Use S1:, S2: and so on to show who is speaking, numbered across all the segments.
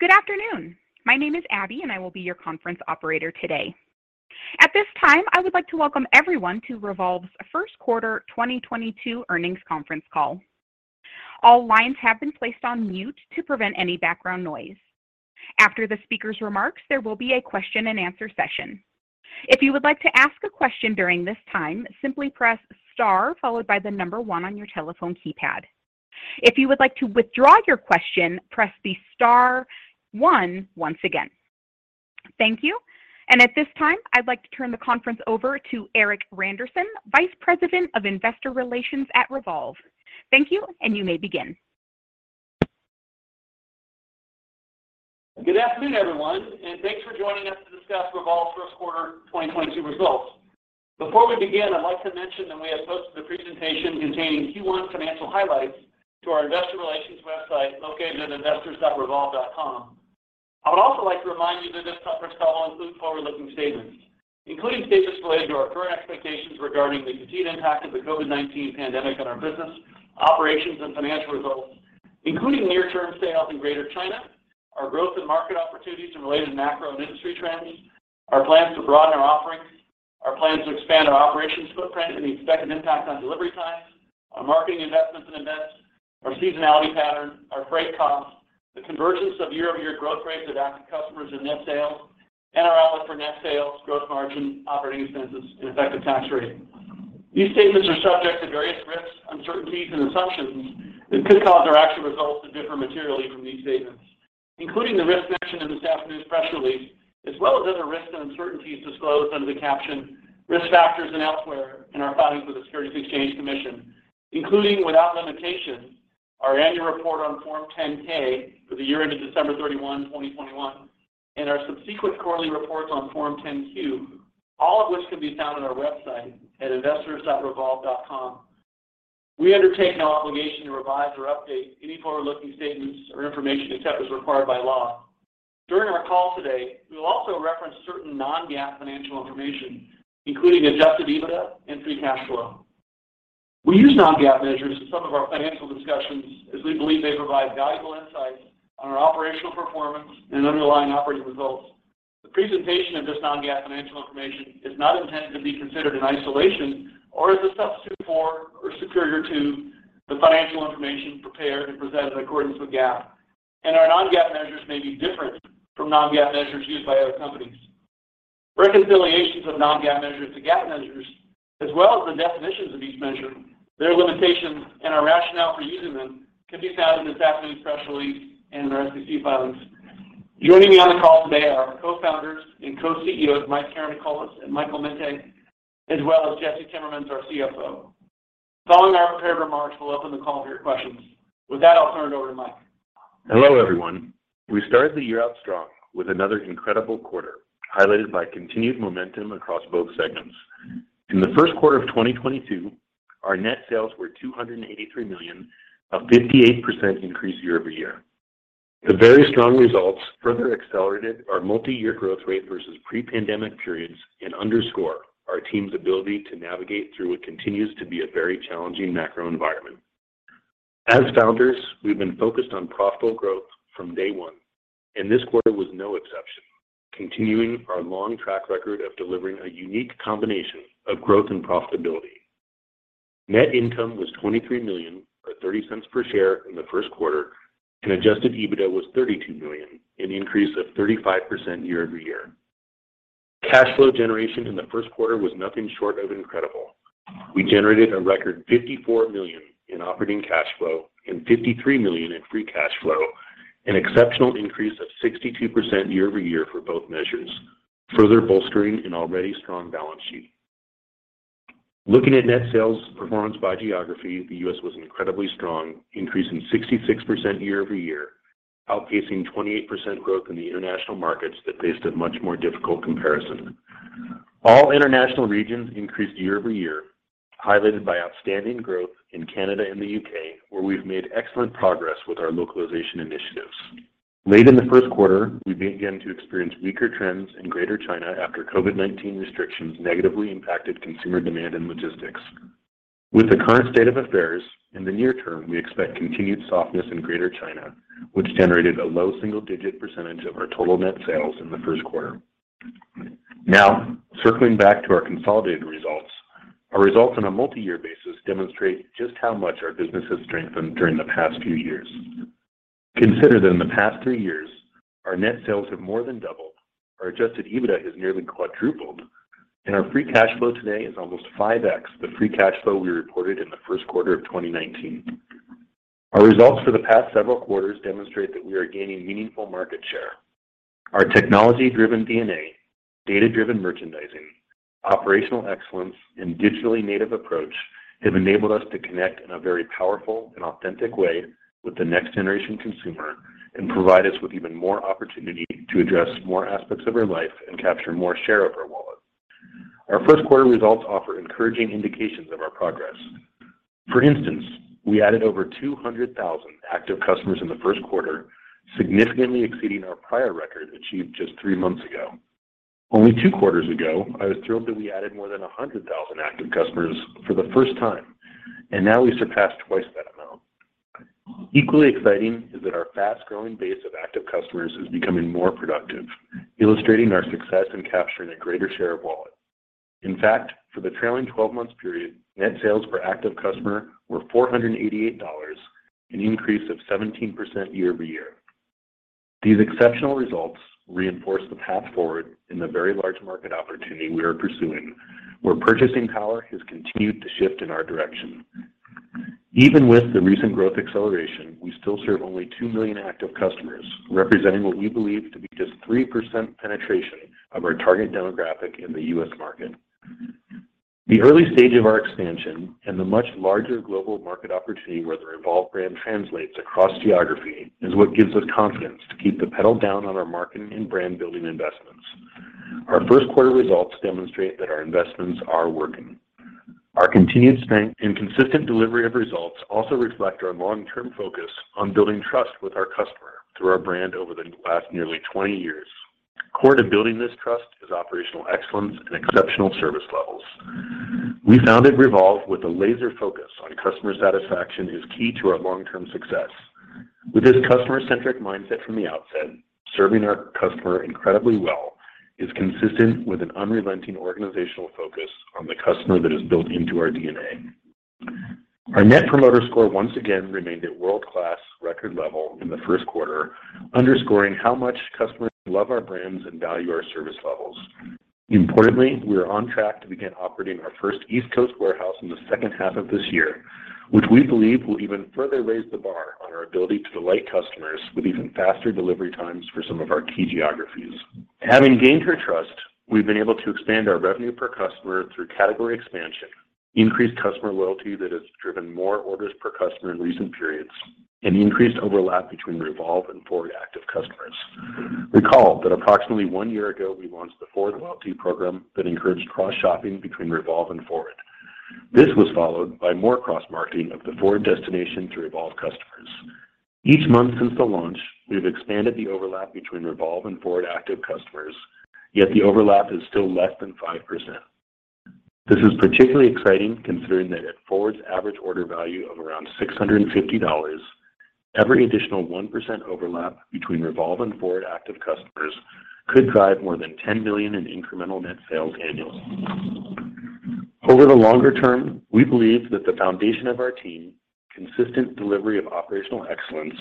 S1: Good afternoon. My name is Abby, and I will be your conference operator today. At this time, I would like to welcome everyone to Revolve's first quarter 2022 earnings conference call. All lines have been placed on mute to prevent any background noise. After the speaker's remarks, there will be a question-and-answer session. If you would like to ask a question during this time, simply press star followed by the number one on your telephone keypad. If you would like to withdraw your question, press the star one once again. Thank you. At this time, I'd like to turn the conference over to Erik Randerson, Vice President of Investor Relations at Revolve. Thank you, and you may begin.
S2: Good afternoon, everyone, and thanks for joining us to discuss Revolve's first quarter 2022 results. Before we begin, I'd like to mention that we have posted a presentation containing Q1 financial highlights to our investor relations website located at investors.revolve.com. I would also like to remind you that this conference call includes forward-looking statements, including statements related to our current expectations regarding the continued impact of the COVID-19 pandemic on our business, operations and financial results, including near-term sales in Greater China, our growth and market opportunities and related macro and industry trends, our plans to broaden our offerings, our plans to expand our operations footprint and the expected impact on delivery times, our marketing investments and events, our seasonality pattern, our freight costs, the convergence of year-over-year growth rates of active customers and net sales, and our outlook for net sales, growth margin, operating expenses and effective tax rate. These statements are subject to various risks, uncertainties and assumptions that could cause our actual results to differ materially from these statements, including the risks mentioned in this afternoon's press release, as well as other risks and uncertainties disclosed under the caption "Risk Factors" and elsewhere in our filings with the Securities and Exchange Commission, including, without limitation, our annual report on Form 10-K for the year ended December 31, 2021, and our subsequent quarterly reports on Form 10-Q, all of which can be found on our website at investors.revolve.com. We undertake no obligation to revise or update any forward-looking statements or information except as required by law. During our call today, we will also reference certain non-GAAP financial information, including Adjusted EBITDA and free cash flow. We use non-GAAP measures in some of our financial discussions as we believe they provide valuable insights on our operational performance and underlying operating results. The presentation of this non-GAAP financial information is not intended to be considered in isolation or as a substitute for or superior to the financial information prepared and presented in accordance with GAAP, and our non-GAAP measures may be different from non-GAAP measures used by other companies. Reconciliations of non-GAAP measures to GAAP measures, as well as the definitions of each measure, their limitations and our rationale for using them, can be found in this afternoon's press release and in our SEC filings. Joining me on the call today are our Co-Founders and Co-CEOs, Mike Karanikolas and Michael Mente, as well as Jesse Timmermans, our CFO. Following our prepared remarks, we'll open the call to your questions. With that, I'll turn it over to Mike.
S3: Hello, everyone. We started the year out strong with another incredible quarter, highlighted by continued momentum across both segments. In the first quarter of 2022, our net sales were $283 million, a 58% increase year-over-year. The very strong results further accelerated our multi-year growth rate versus pre-pandemic periods and underscore our team's ability to navigate through what continues to be a very challenging macro environment. As founders, we've been focused on profitable growth from day one, and this quarter was no exception, continuing our long track record of delivering a unique combination of growth and profitability. Net income was $23 million, or $0.30 per share in the first quarter, and Adjusted EBITDA was $32 million, an increase of 35% year-over-year. Cash flow generation in the first quarter was nothing short of incredible. We generated a record $54 million in operating cash flow and $53 million in free cash flow, an exceptional increase of 62% year-over-year for both measures, further bolstering an already strong balance sheet. Looking at net sales performance by geography, the U.S. was incredibly strong, increasing 66% year-over-year, outpacing 28% growth in the international markets that faced a much more difficult comparison. All international regions increased year-over-year, highlighted by outstanding growth in Canada and the U.K., where we've made excellent progress with our localization initiatives. Late in the first quarter, we began to experience weaker trends in Greater China after COVID-19 restrictions negatively impacted consumer demand and logistics. With the current state of affairs, in the near term, we expect continued softness in Greater China, which generated a low single-digit percentage of our total net sales in the first quarter. Now, circling back to our consolidated results, our results on a multi-year basis demonstrate just how much our business has strengthened during the past few years. Consider that in the past three years, our net sales have more than doubled, our Adjusted EBITDA has nearly quadrupled, and our free cash flow today is almost 5x the free cash flow we reported in the first quarter of 2019. Our results for the past several quarters demonstrate that we are gaining meaningful market share. Our technology-driven DNA, data-driven merchandising, operational excellence, and digitally native approach have enabled us to connect in a very powerful and authentic way with the next-generation consumer and provide us with even more opportunity to address more aspects of her life and capture more share of her wallet. Our first quarter results offer encouraging indications of our progress. For instance, we added over 200,000 active customers in the first quarter, significantly exceeding our prior record achieved just three months ago. Only two quarters ago, I was thrilled that we added more than 100,000 active customers for the first time, and now we've surpassed twice that amount. Equally exciting is that our fast-growing base of active customers is becoming more productive, illustrating our success in capturing a greater share of wallet. In fact, for the trailing 12 months period, net sales per active customer were $488, an increase of 17% year-over-year. These exceptional results reinforce the path forward in the very large market opportunity we are pursuing, where purchasing power has continued to shift in our direction. Even with the recent growth acceleration, we still serve only 2 million active customers, representing what we believe to be just 3% penetration of our target demographic in the U.S. market. The early stage of our expansion and the much larger global market opportunity where the Revolve brand translates across geography is what gives us confidence to keep the pedal down on our marketing and brand-building investments. Our first quarter results demonstrate that our investments are working. Our continued strength and consistent delivery of results also reflect our long-term focus on building trust with our customer through our brand over the last nearly 20 years. Core to building this trust is operational excellence and exceptional service levels. We founded Revolve with a laser focus on customer satisfaction, which is key to our long-term success. With this customer-centric mindset from the outset, serving our customer incredibly well is consistent with an unrelenting organizational focus on the customer that is built into our DNA. Our Net Promoter Score once again remained at world-class record level in the first quarter, underscoring how much customers love our brands and value our service levels. Importantly, we are on track to begin operating our first East Coast warehouse in the second half of this year, which we believe will even further raise the bar on our ability to delight customers with even faster delivery times for some of our key geographies. Having gained her trust, we've been able to expand our revenue per customer through category expansion, increased customer loyalty that has driven more orders per customer in recent periods, and increased overlap between Revolve and FWRD active customers. Recall that approximately one year ago, we launched the FWRD Loyalty program that encouraged cross-shopping between Revolve and FWRD. This was followed by more cross-marketing of the FWRD destination to Revolve customers. Each month since the launch, we have expanded the overlap between Revolve and FWRD active customers, yet the overlap is still less than 5%. This is particularly exciting considering that at FWRD's average order value of around $650, every additional 1% overlap between Revolve and FWRD active customers could drive more than $10 million in incremental net sales annually. Over the longer term, we believe that the foundation of our team, consistent delivery of operational excellence,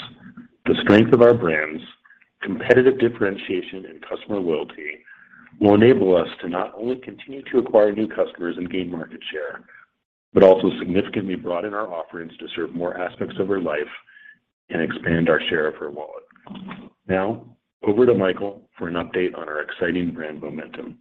S3: the strength of our brands, competitive differentiation, and customer loyalty will enable us to not only continue to acquire new customers and gain market share, but also significantly broaden our offerings to serve more aspects of her life and expand our share of her wallet. Now, over to Michael for an update on our exciting brand momentum.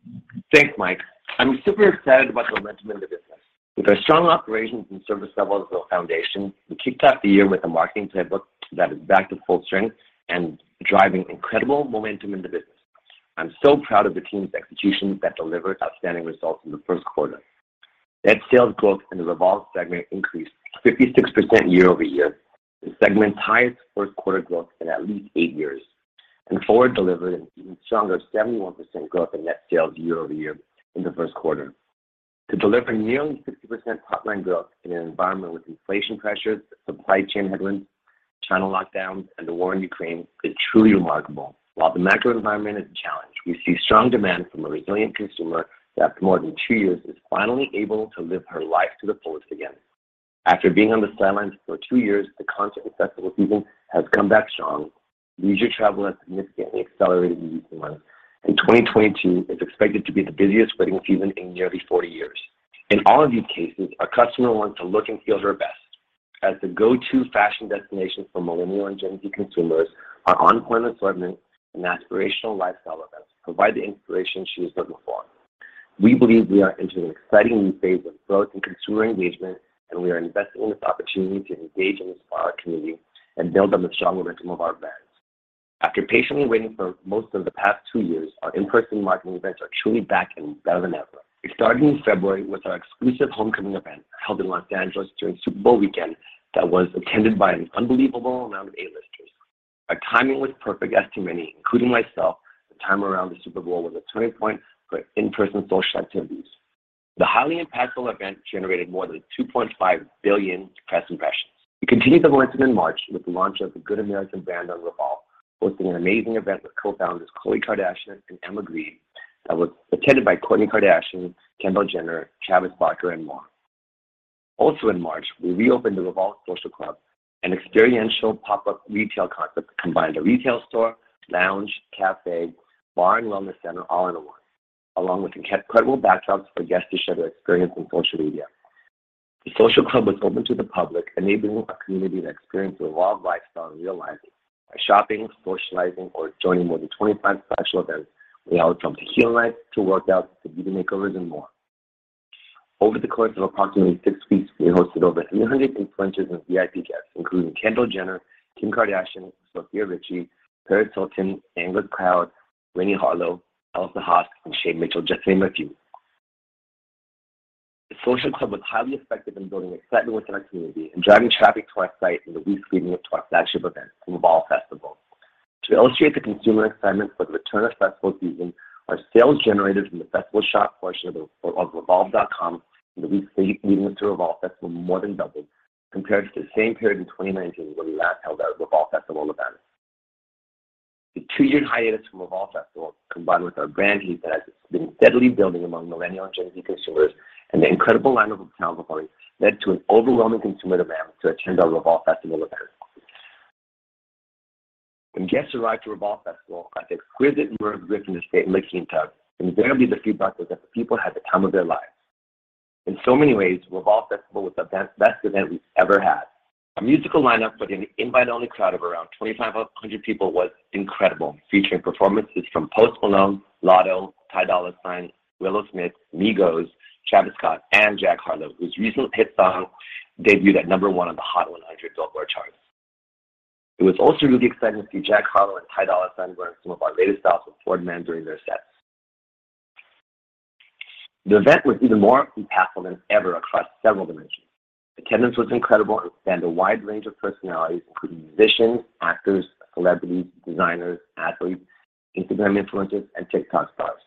S4: Thanks, Mike. I'm super excited about the momentum in the business. With our strong operations and service levels as our foundation, we kicked off the year with a marketing playbook that is back to full strength and driving incredible momentum in the business. I'm so proud of the team's execution that delivered outstanding results in the first quarter. Net sales growth in the Revolve segment increased 56% year-over-year, the segment's highest first quarter growth in at least eight years. FWRD delivered an even stronger 71% growth in net sales year-over-year in the first quarter. To deliver nearly 60% top-line growth in an environment with inflation pressures, supply chain headwinds, China lockdowns, and the war in Ukraine is truly remarkable. While the macro environment is a challenge, we see strong demand from a resilient consumer that after more than two years, is finally able to live her life to the fullest again. After being on the sidelines for two years, the concert festival season has come back strong. Leisure travel has significantly accelerated in recent months, and 2022 is expected to be the busiest wedding season in nearly 40 years. In all of these cases, our customer wants to look and feel her best. As the go-to fashion destination for millennial and Gen Z consumers, our on-point assortment and aspirational lifestyle events provide the inspiration she is looking for. We believe we are entering an exciting new phase of growth and consumer engagement, and we are investing in this opportunity to engage in this product community and build on the strong momentum of our events. After patiently waiting for most of the past two years, our in-person marketing events are truly back and better than ever. It started in February with our exclusive homecoming event held in Los Angeles during Super Bowl weekend that was attended by an unbelievable amount of A-listers. Our timing was perfect, as to many, including myself, the time around the Super Bowl was a turning point for in-person social activities. The highly impactful event generated more than 2.5 billion press impressions. We continued the momentum in March with the launch of the Good American brand on Revolve, hosting an amazing event with co-founders Khloé Kardashian and Emma Grede that was attended by Kourtney Kardashian, Kendall Jenner, Travis Barker, and more. Also in March, we reopened the Revolve Social Club, an experiential pop-up retail concept that combined a retail store, lounge, cafe, bar, and wellness center all in one, along with incredible backdrops for guests to share their experience on social media. The Social Club was open to the public, enabling our community to experience the Revolve lifestyle in real life by shopping, socializing, or joining more than 25 special events. We hosted heel runs to workouts to beauty makeovers and more. Over the course of approximately six weeks, we hosted over 300 influencers and VIP guests, including Kendall Jenner, Kim Kardashian, Sofia Richie, Paris Hilton, Angel Brinks, Winnie Harlow, Elsa Hosk, and Shay Mitchell, just to name a few. The Social Club was highly effective in building excitement within our community and driving traffic to our site in the weeks leading up to our flagship event, Revolve Festival. To illustrate the consumer excitement for the return of festival season, our sales generated from the festival shop portion of revolve.com in the weeks leading up to Revolve Festival more than doubled compared to the same period in 2019 when we last held our Revolve Festival event. The two-year hiatus from Revolve Festival, combined with our brand heat that has been steadily building among millennial and Gen Z consumers, and the incredible lineup of talent we're bringing, led to an overwhelming consumer demand to attend our Revolve Festival event. When guests arrived to Revolve Festival at the exquisite Williamsburg Inn Estate in Lexington, invariably the feedback was that the people had the time of their lives. In so many ways, Revolve Festival was the best event we've ever had. Our musical lineup for the invite-only crowd of around 2,500 people was incredible, featuring performances from Post Malone, Latto, Ty Dolla Sign, Willow Smith, Migos, Travis Scott, and Jack Harlow, whose recent hit song debuted at number one on the Billboard Hot 100. It was also really exciting to see Jack Harlow and Ty Dolla Sign wearing some of our latest styles from FWRD Man during their sets. The event was even more impactful than ever across several dimensions. Attendance was incredible and spanned a wide range of personalities, including musicians, actors, celebrities, designers, athletes, Instagram influencers, and TikTok stars.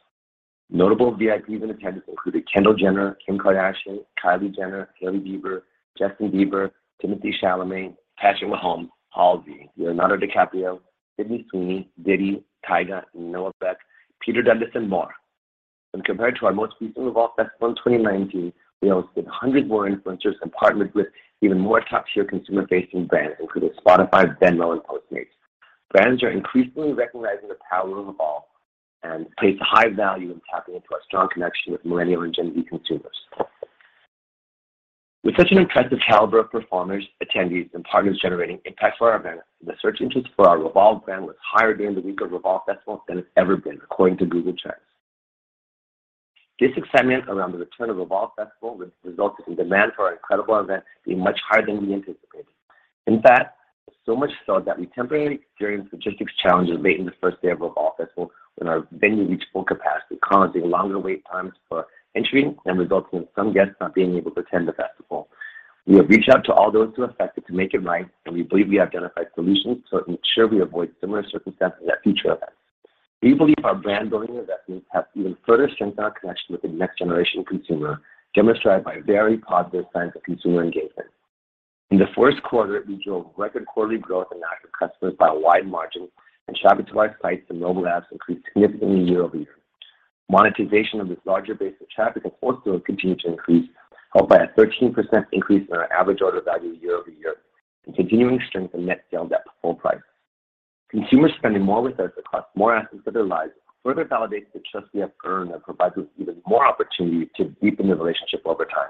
S4: Notable VIPs in attendance included Kendall Jenner, Kim Kardashian, Kylie Jenner, Hailey Bieber, Justin Bieber, Timothée Chalamet, Patrick Mahomes, Halsey, Leonardo DiCaprio, Sydney Sweeney, Diddy, Tyga, Noah Beck, Pete Davidson, and more. When compared to our most recent Revolve Festival in 2019, we hosted 100 more influencers and partnered with even more top-tier consumer-facing brands, including Spotify, Venmo, and Postmates. Brands are increasingly recognizing the power of Revolve and place a high value in tapping into our strong connection with Millennial and Gen Z consumers. With such an impressive caliber of performers, attendees, and partners generating impact for our event, the search interest for our Revolve brand was higher during the week of Revolve Festival than it's ever been, according to Google Trends. This excitement around the return of Revolve Festival has resulted in demand for our incredible event being much higher than we anticipated. In fact, so much so that we temporarily experienced logistics challenges late in the first day of Revolve Festival when our venue reached full capacity, causing longer wait times for entry and resulting in some guests not being able to attend the festival. We have reached out to all those who were affected to make it right, and we believe we identified solutions to ensure we avoid similar circumstances at future events. We believe our brand-building investments have even further strengthened our connection with the next-generation consumer, demonstrated by very positive signs of consumer engagement. In the first quarter, we drove record quarterly growth in active customers by a wide margin, and traffic to our sites and mobile apps increased significantly year-over-year. Monetization of this larger base of traffic, of course, will continue to increase, helped by a 13% increase in our average order value year-over-year and continuing strength in net sales at full price. Consumers spending more with us across more aspects of their lives further validates the trust we have earned and provides us even more opportunity to deepen the relationship over time.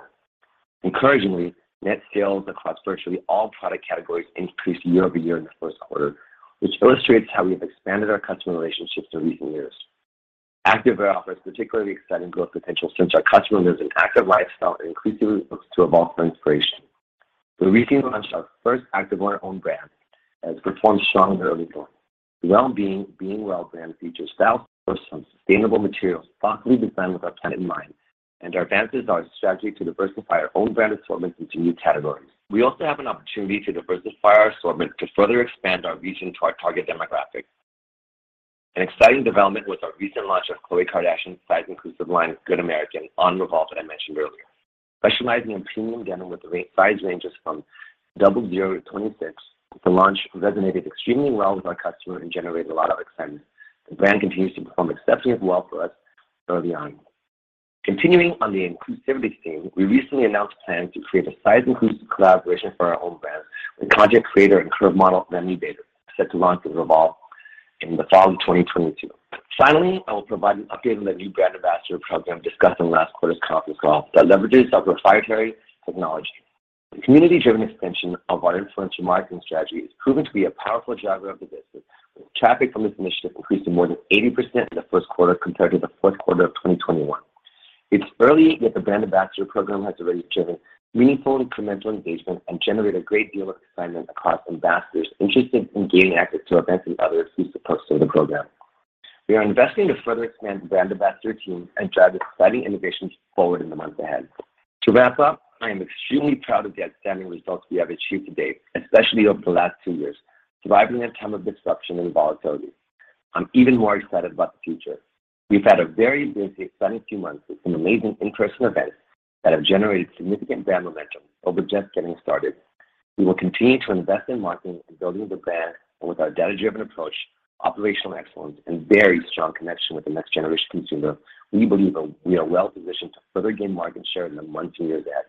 S4: Encouragingly, net sales across virtually all product categories increased year-over-year in the first quarter, which illustrates how we have expanded our customer relationships in recent years. Activewear offers particularly exciting growth potential since our customer lives an active lifestyle and increasingly looks to Revolve for inspiration. We recently launched our first Activewear owned brand, and it's performed strong in early going. The Well Being brand features styles sourced from sustainable materials thoughtfully designed with our planet in mind, and advances our strategy to diversify our own brand assortment into new categories. We also have an opportunity to diversify our assortment to further expand our reach into our target demographic. An exciting development was our recent launch of Khloé Kardashian's size-inclusive line, Good American, on Revolve that I mentioned earlier. Specializing in premium denim with the size ranges from double zero to 26, the launch resonated extremely well with our customer and generated a lot of excitement. The brand continues to perform exceptionally well for us early on. Continuing on the inclusivity theme, we recently announced plans to create a size-inclusive collaboration for our own brand with content creator and curve model, Remi Bader, set to launch on Revolve in the fall of 2022. Finally, I will provide an update on the new brand ambassador program discussed on last quarter's conference call that leverages our proprietary technology. The community-driven extension of our influencer marketing strategy is proving to be a powerful driver of the business, with traffic from this initiative increasing more than 80% in the first quarter compared to the fourth quarter of 2021. It's early, yet the brand ambassador program has already driven meaningful incremental engagement and generated a great deal of excitement across ambassadors interested in gaining access to events and others we support through the program. We are investing to further expand the brand ambassador team and drive exciting innovations forward in the months ahead. To wrap up, I am extremely proud of the outstanding results we have achieved to date, especially over the last two years, surviving a time of disruption and volatility. I'm even more excited about the future. We've had a very busy, exciting few months with some amazing in-person events that have generated significant brand momentum, but we're just getting started. We will continue to invest in marketing and building the brand, and with our data-driven approach, operational excellence, and very strong connection with the next-generation consumer, we believe that we are well-positioned to further gain market share in the months and years ahead.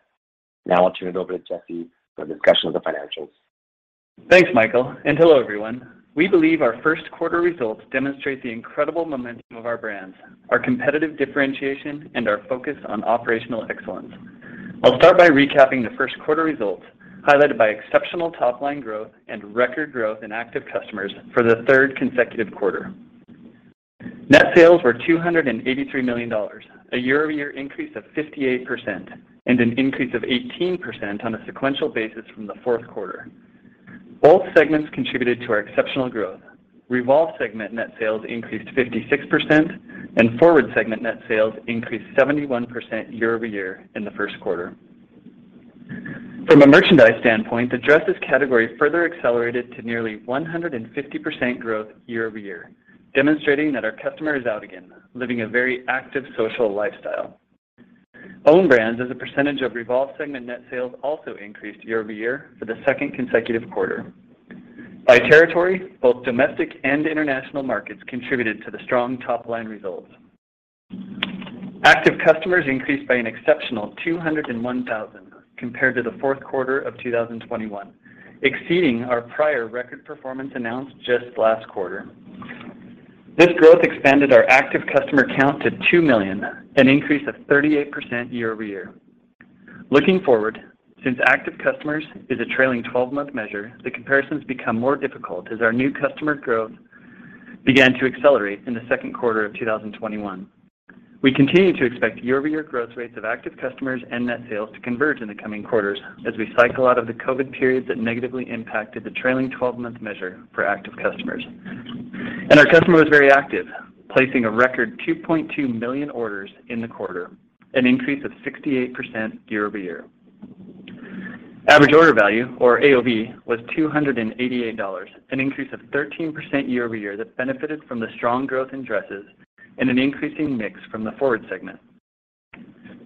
S4: Now I'll turn it over to Jesse for a discussion of the financials.
S5: Thanks, Michael, and hello, everyone. We believe our first quarter results demonstrate the incredible momentum of our brands, our competitive differentiation, and our focus on operational excellence. I'll start by recapping the first quarter results, highlighted by exceptional top-line growth and record growth in active customers for the third consecutive quarter. Net sales were $283 million, a year-over-year increase of 58% and an increase of 18% on a sequential basis from the fourth quarter. Both segments contributed to our exceptional growth. Revolve segment net sales increased 56%, and FWRD segment net sales increased 71% year-over-year in the first quarter. From a merchandise standpoint, the dresses category further accelerated to nearly 150% growth year-over-year, demonstrating that our customer is out again, living a very active social lifestyle. Own brands as a percentage of Revolve segment net sales also increased year-over-year for the second consecutive quarter. By territory, both domestic and international markets contributed to the strong top-line results. Active customers increased by an exceptional 201,000 compared to the fourth quarter of 2021, exceeding our prior record performance announced just last quarter. This growth expanded our active customer count to 2 million, an increase of 38% year-over-year. Looking forward, since active customers is a trailing twelve-month measure, the comparisons become more difficult as our new customer growth began to accelerate in the second quarter of 2021. We continue to expect year-over-year growth rates of active customers and net sales to converge in the coming quarters as we cycle out of the COVID periods that negatively impacted the trailing twelve-month measure for active customers. Our customer was very active, placing a record 2.2 million orders in the quarter, an increase of 68% year-over-year. Average order value, or AOV, was $288, an increase of 13% year-over-year that benefited from the strong growth in dresses and an increasing mix from the FWRD segment.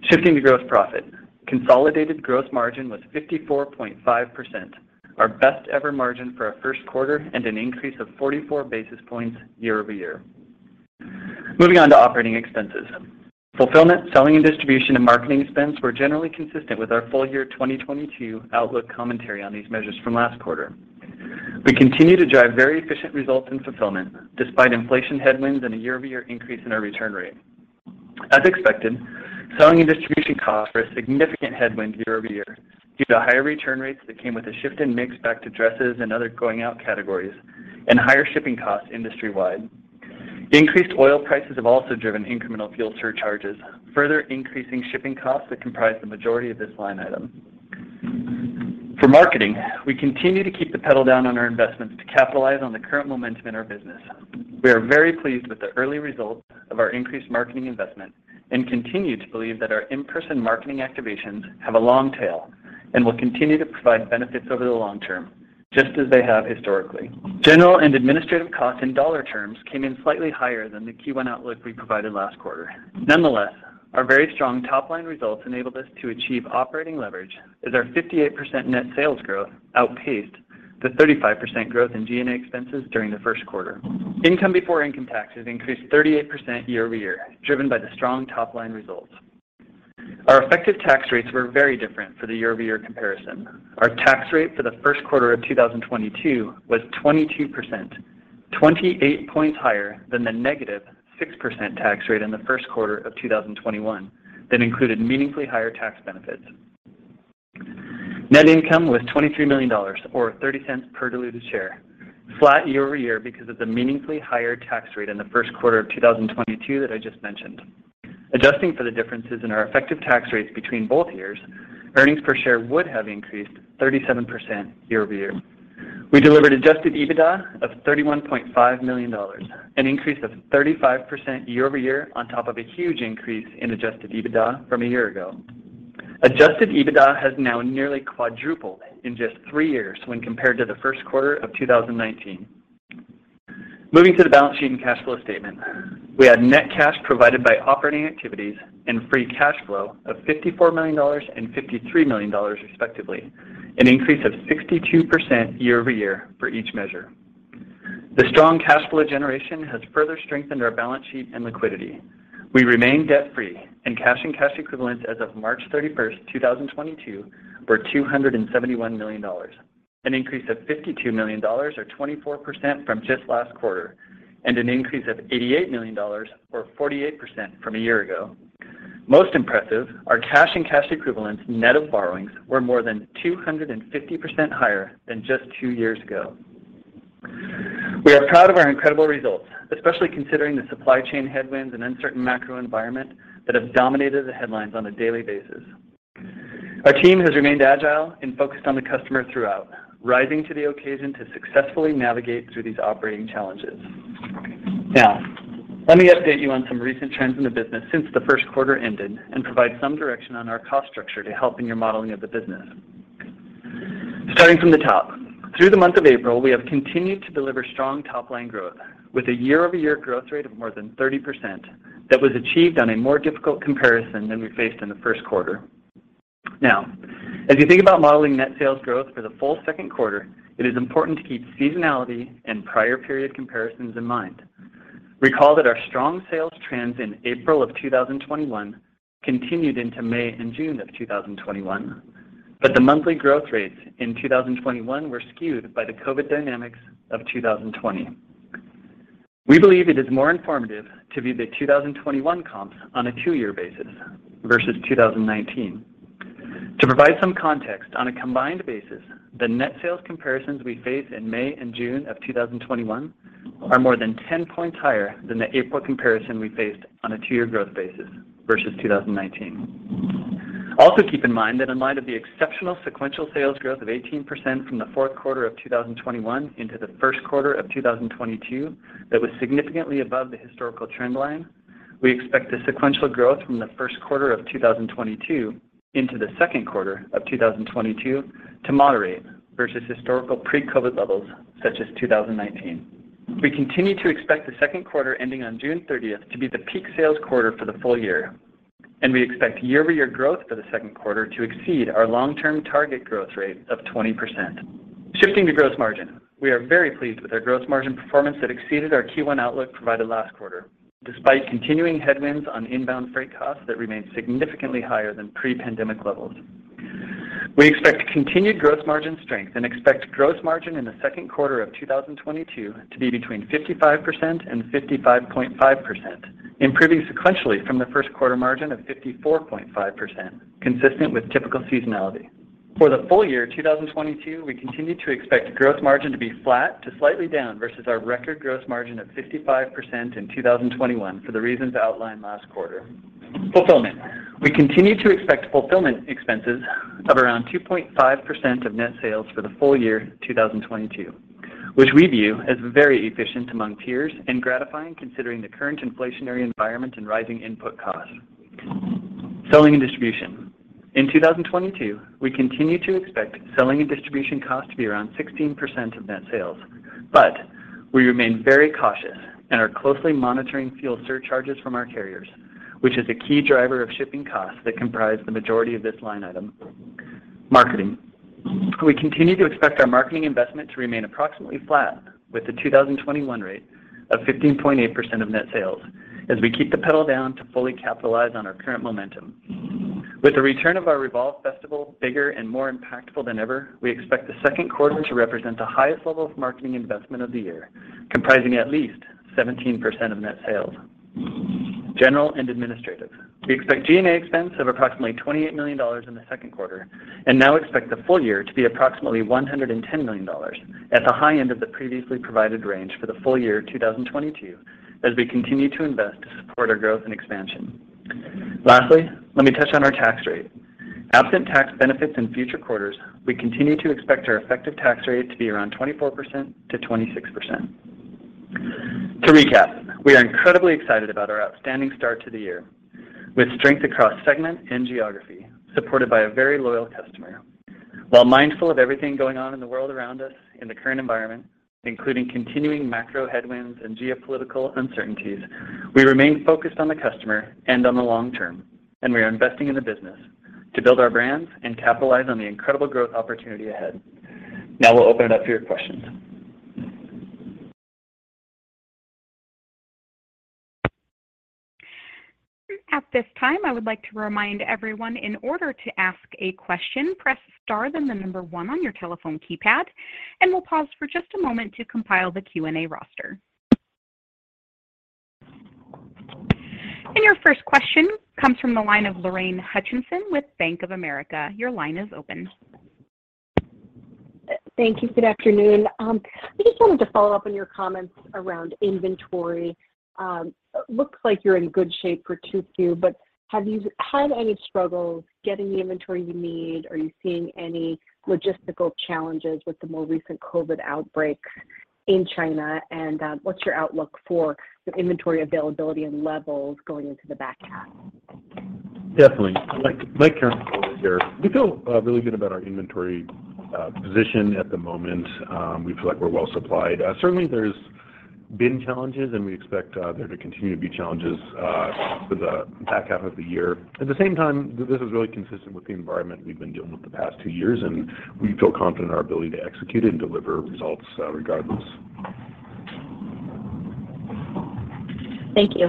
S5: Shifting to gross profit. Consolidated gross margin was 54.5%, our best ever margin for a first quarter and an increase of 44 basis points year-over-year. Moving on to operating expenses. Fulfillment, selling and distribution, and marketing expense were generally consistent with our full year 2022 outlook commentary on these measures from last quarter. We continue to drive very efficient results in fulfillment despite inflation headwinds and a year-over-year increase in our return rate. As expected, selling and distribution costs were a significant headwind year-over-year due to higher return rates that came with a shift in mix back to dresses and other going out categories and higher shipping costs industry-wide. Increased oil prices have also driven incremental fuel surcharges, further increasing shipping costs that comprise the majority of this line item. For marketing, we continue to keep the pedal down on our investments to capitalize on the current momentum in our business. We are very pleased with the early results of our increased marketing investment and continue to believe that our in-person marketing activations have a long tail and will continue to provide benefits over the long term, just as they have historically. General and administrative costs in dollar terms came in slightly higher than the Q1 outlook we provided last quarter. Nonetheless, our very strong top-line results enabled us to achieve operating leverage as our 58% net sales growth outpaced the 35% growth in G&A expenses during the first quarter. Income before income taxes increased 38% year-over-year, driven by the strong top-line results. Our effective tax rates were very different for the year-over-year comparison. Our tax rate for the first quarter of 2022 was 22%, 28 points higher than the -6% tax rate in the first quarter of 2021 that included meaningfully higher tax benefits. Net income was $23 million, or $0.30 per diluted share, flat year-over-year because of the meaningfully higher tax rate in the first quarter of 2022 that I just mentioned. Adjusting for the differences in our effective tax rates between both years, earnings per share would have increased 37% year-over-year. We delivered adjusted EBITDA of $31.5 million, an increase of 35% year-over-year on top of a huge increase in adjusted EBITDA from a year ago. Adjusted EBITDA has now nearly quadrupled in just three years when compared to the first quarter of 2019. Moving to the balance sheet and cash flow statement. We had net cash provided by operating activities and free cash flow of $54 million and $53 million respectively, an increase of 62% year-over-year for each measure. The strong cash flow generation has further strengthened our balance sheet and liquidity. We remain debt-free, and cash and cash equivalents as of March 31st, 2022, were $271 million, an increase of $52 million or 24% from just last quarter, and an increase of $88 million or 48% from a year ago. Most impressive, our cash and cash equivalents net of borrowings were more than 250% higher than just two years ago. We are proud of our incredible results, especially considering the supply chain headwinds and uncertain macro environment that have dominated the headlines on a daily basis. Our team has remained agile and focused on the customer throughout, rising to the occasion to successfully navigate through these operating challenges. Now, let me update you on some recent trends in the business since the first quarter ended and provide some direction on our cost structure to help in your modeling of the business. Starting from the top. Through the month of April, we have continued to deliver strong top-line growth with a year-over-year growth rate of more than 30% that was achieved on a more difficult comparison than we faced in the first quarter. Now, as you think about modeling net sales growth for the full second quarter, it is important to keep seasonality and prior period comparisons in mind. Recall that our strong sales trends in April of 2021 continued into May and June of 2021, but the monthly growth rates in 2021 were skewed by the COVID dynamics of 2020. We believe it is more informative to view the 2021 comps on a two-year basis versus 2019. To provide some context, on a combined basis, the net sales comparisons we face in May and June of 2021 are more than 10 points higher than the April comparison we faced on a two-year growth basis versus 2019. Also keep in mind that in light of the exceptional sequential sales growth of 18% from the fourth quarter of 2021 into the first quarter of 2022 that was significantly above the historical trend line, we expect the sequential growth from the first quarter of 2022 into the second quarter of 2022 to moderate versus historical pre-COVID levels such as 2019. We continue to expect the second quarter ending on June thirtieth to be the peak sales quarter for the full year, and we expect year-over-year growth for the second quarter to exceed our long-term target growth rate of 20%. Shifting to gross margin, we are very pleased with our gross margin performance that exceeded our Q1 outlook provided last quarter, despite continuing headwinds on inbound freight costs that remain significantly higher than pre-pandemic levels. We expect continued gross margin strength and expect gross margin in the second quarter of 2022 to be between 55% and 55.5%, improving sequentially from the first quarter margin of 54.5%, consistent with typical seasonality. For the full year 2022, we continue to expect gross margin to be flat to slightly down versus our record gross margin of 55% in 2021 for the reasons outlined last quarter. Fulfillment. We continue to expect fulfillment expenses of around 2.5% of net sales for the full year 2022, which we view as very efficient among peers and gratifying considering the current inflationary environment and rising input costs. Selling and distribution. In 2022, we continue to expect selling and distribution costs to be around 16% of net sales. We remain very cautious and are closely monitoring fuel surcharges from our carriers, which is a key driver of shipping costs that comprise the majority of this line item. Marketing. We continue to expect our marketing investment to remain approximately flat with the 2021 rate of 15.8% of net sales as we keep the pedal down to fully capitalize on our current momentum. With the return of our Revolve Festival bigger and more impactful than ever, we expect the second quarter to represent the highest level of marketing investment of the year, comprising at least 17% of net sales. General and administrative. We expect G&A expense of approximately $28 million in the second quarter and now expect the full year to be approximately $110 million at the high end of the previously provided range for the full year 2022 as we continue to invest to support our growth and expansion. Lastly, let me touch on our tax rate. Absent tax benefits in future quarters, we continue to expect our effective tax rate to be around 24%-26%. To recap, we are incredibly excited about our outstanding start to the year, with strength across segment and geography, supported by a very loyal customer. While mindful of everything going on in the world around us in the current environment, including continuing macro headwinds and geopolitical uncertainties, we remain focused on the customer and on the long term, and we are investing in the business to build our brands and capitalize on the incredible growth opportunity ahead. Now we'll open it up to your questions.
S1: At this time, I would like to remind everyone in order to ask a question, press star, then the number one on your telephone keypad, and we'll pause for just a moment to compile the Q&A roster. Your first question comes from the line of Lorraine Hutchinson with Bank of America. Your line is open.
S6: Thank you. Good afternoon. I just wanted to follow up on your comments around inventory. Looks like you're in good shape for 2Q, but have you had any struggles getting the inventory you need? Are you seeing any logistical challenges with the more recent COVID-19 outbreaks in China? What's your outlook for the inventory availability and levels going into the back half?
S3: Definitely. Mike Karanikolas here. We feel really good about our inventory position at the moment. We feel like we're well supplied. Certainly there's been challenges, and we expect there to continue to be challenges for the back half of the year. At the same time, this is really consistent with the environment we've been dealing with the past two years, and we feel confident in our ability to execute and deliver results, regardless.
S6: Thank you.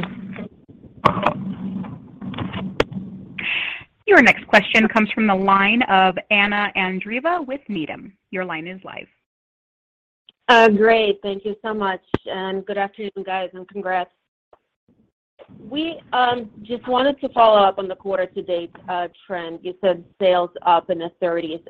S1: Your next question comes from the line of Anna Andreeva with Needham. Your line is live.
S7: Great. Thank you so much, and good afternoon, guys, and congrats. We just wanted to follow up on the quarter to date trend. You said sales up in the 30s.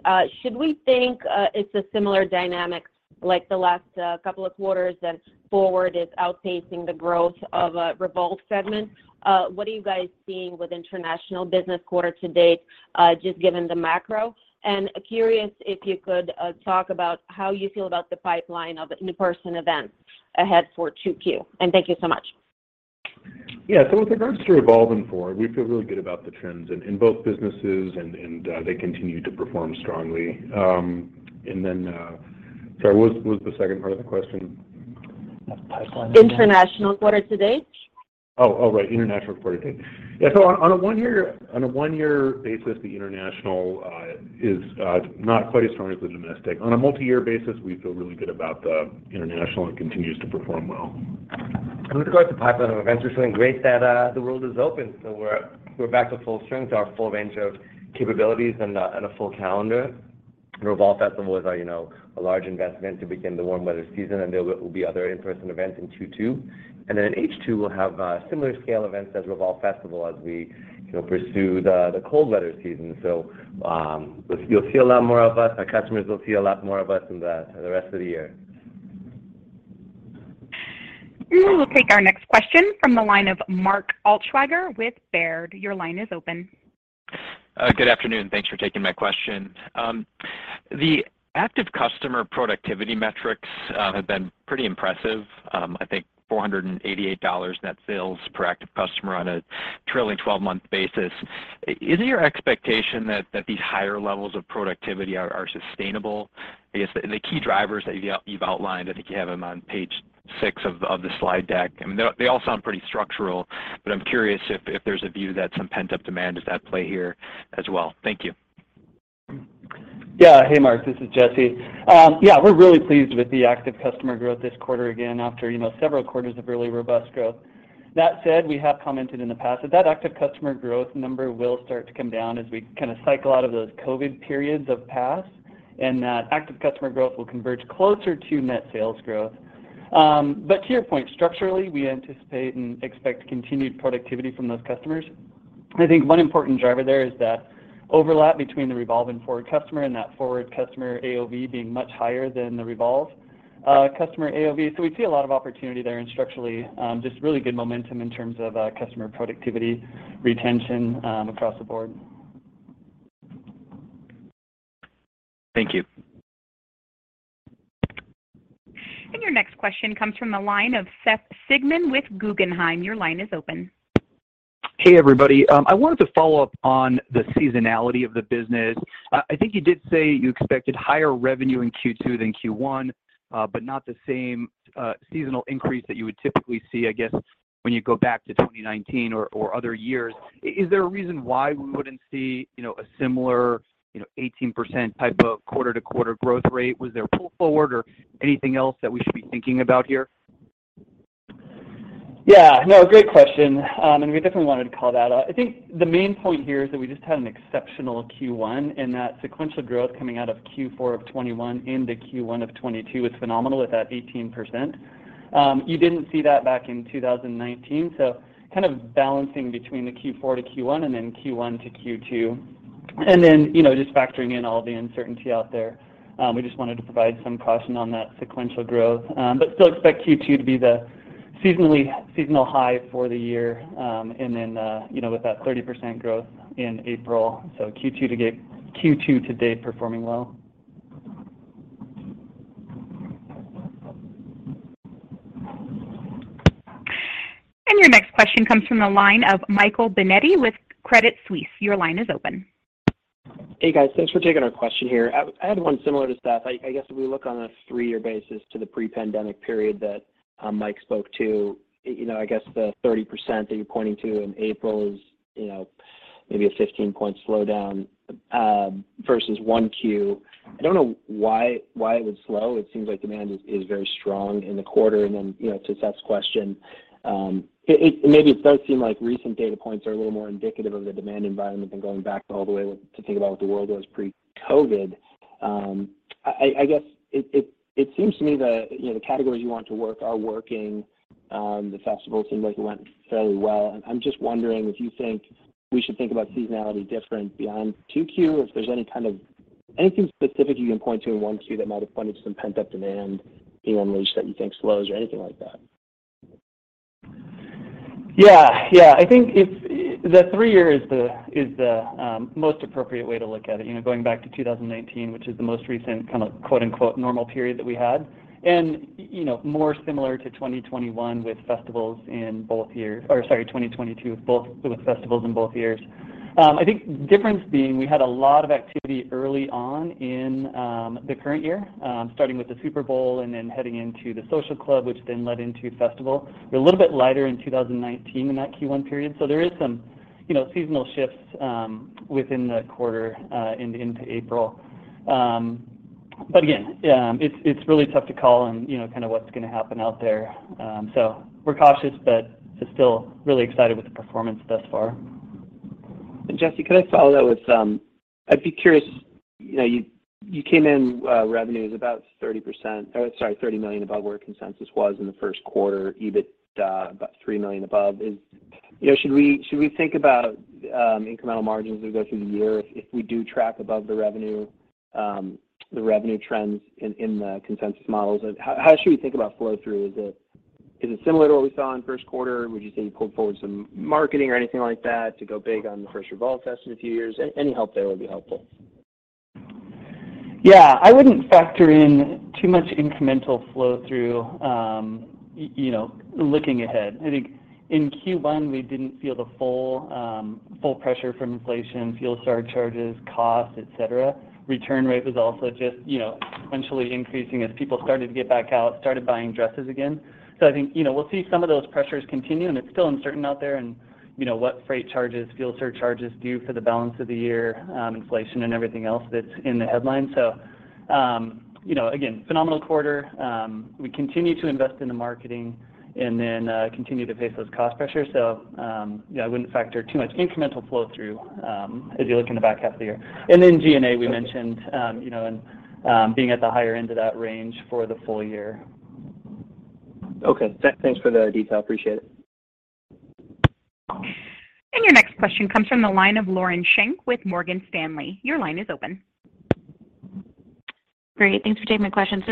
S7: Should we think it's a similar dynamic like the last couple of quarters, that FWRD is outpacing the growth of Revolve segment? What are you guys seeing with international business quarter to date just given the macro? Curious if you could talk about how you feel about the pipeline of in-person events ahead for 2Q. Thank you so much.
S3: With regards to Revolve and FWRD, we feel really good about the trends in both businesses and they continue to perform strongly. Sorry, what was the second part of the question?
S4: The pipeline-
S7: International quarter to date.
S3: Right. International quarter to date. Yeah. On a one-year basis, the international is not quite as strong as the domestic. On a multi-year basis, we feel really good about the international, and it continues to perform well.
S4: With regards to pipeline of events, we're feeling great that the world is open. We're back to full strength, our full range of capabilities and a full calendar. Revolve Festival is our, you know, a large investment to begin the warm weather season, and there will be other in-person events in 2022. Then in H2, we'll have similar scale events as Revolve Festival as we, you know, pursue the cold weather season. You'll see a lot more of us. Our customers will see a lot more of us in the rest of the year.
S1: We will take our next question from the line of Mark Altschwager with Baird. Your line is open.
S8: Good afternoon. Thanks for taking my question. The active customer productivity metrics have been pretty impressive. I think $488 net sales per active customer on a trailing twelve-month basis. Is it your expectation that these higher levels of productivity are sustainable? I guess the key drivers that you've outlined, I think you have them on page six of the slide deck. I mean, they all sound pretty structural, but I'm curious if there's a view that some pent-up demand is at play here as well? Thank you.
S5: Yeah. Hey, Mark. This is Jesse. Yeah, we're really pleased with the active customer growth this quarter again after, you know, several quarters of really robust growth. That said, we have commented in the past that active customer growth number will start to come down as we kinda cycle out of those COVID-19 periods of past, and that active customer growth will converge closer to net sales growth. To your point, structurally, we anticipate and expect continued productivity from those customers. I think one important driver there is that overlap between the Revolve and FWRD customer, and that FWRD customer AOV being much higher than the Revolve customer AOV. We see a lot of opportunity there and structurally, just really good momentum in terms of customer productivity retention across the board.
S8: Thank you.
S1: Your next question comes from the line of Seth Sigman with Guggenheim. Your line is open.
S9: Hey, everybody. I wanted to follow up on the seasonality of the business. I think you did say you expected higher revenue in Q2 than Q1, but not the same seasonal increase that you would typically see, I guess, when you go back to 2019 or other years. Is there a reason why we wouldn't see, you know, a similar, you know, 18% type of quarter-to-quarter growth rate? Was there pull forward or anything else that we should be thinking about here?
S5: Yeah. No, great question. We definitely wanted to call that out. I think the main point here is that we just had an exceptional Q1, and that sequential growth coming out of Q4 of 2021 into Q1 of 2022 is phenomenal at that 18%. You didn't see that back in 2019, so kind of balancing between the Q4 to Q1 and then Q1 to Q2. You know, just factoring in all the uncertainty out there, we just wanted to provide some caution on that sequential growth. Still expect Q2 to be the seasonal high for the year, and then, you know, with that 30% growth in April, so Q2 to date performing well.
S1: Your next question comes from the line of Michael Binetti with Credit Suisse. Your line is open.
S10: Hey, guys. Thanks for taking our question here. I had one similar to Seth. I guess if we look on a three-year basis to the pre-pandemic period that Mike spoke to, you know, I guess the 30% that you're pointing to in April is, you know, maybe a 15-point slowdown versus 1Q. I don't know why it would slow. It seems like demand is very strong in the quarter. You know, to Seth's question, maybe it does seem like recent data points are a little more indicative of the demand environment than going back all the way to think about what the world was pre-COVID. I guess it seems to me the, you know, the categories you want to work are working. The Festival seemed like it went fairly well, and I'm just wondering if you think we should think about seasonality different beyond 2Q, if there's anything specific you can point to in 1Q that might have pointed to some pent-up demand being unleashed that you think slows or anything like that.
S5: Yeah. Yeah. I think it's the three year is the most appropriate way to look at it. You know, going back to 2019, which is the most recent kind of quote unquote normal period that we had. You know, more similar to 2021 with festivals in both years. Or sorry, 2022 with festivals in both years. I think difference being we had a lot of activity early on in the current year, starting with the Super Bowl and then heading into the Social Club, which then led into Festival. We're a little bit lighter in 2019 in that Q1 period, so there is some you know seasonal shifts within the quarter into April. Again, it's really tough to call on, you know, kinda what's gonna happen out there. We're cautious, but still really excited with the performance thus far.
S10: Jesse, could I follow that with, I'd be curious, you know, you came in, revenue is about $30 million above where consensus was in the first quarter, EBIT about $3 million above. You know, should we think about incremental margins as we go through the year if we do track above the revenue, the revenue trends in the consensus models? How should we think about flow-through? Is it similar to what we saw in first quarter? Would you say you pulled forward some marketing or anything like that to go big on the first Revolve Fest in a few years? Any help there would be helpful.
S5: Yeah. I wouldn't factor in too much incremental flow-through, you know, looking ahead. I think in Q1, we didn't feel the full pressure from inflation, fuel surcharges, cost, et cetera. Return rate was also just, you know, essentially increasing as people started to get back out, started buying dresses again. I think, you know, we'll see some of those pressures continue, and it's still uncertain out there and, you know, what freight charges, fuel surcharges do for the balance of the year, inflation and everything else that's in the headlines. You know, again, phenomenal quarter. We continue to invest in the marketing and then continue to face those cost pressures. Yeah, I wouldn't factor too much incremental flow-through, as you look in the back half of the year. G&A, we mentioned, you know, and being at the higher end of that range for the full year.
S10: Okay. Thanks for the detail. Appreciate it.
S1: Your next question comes from the line of Lauren Schenk with Morgan Stanley. Your line is open.
S11: Great. Thanks for taking my question.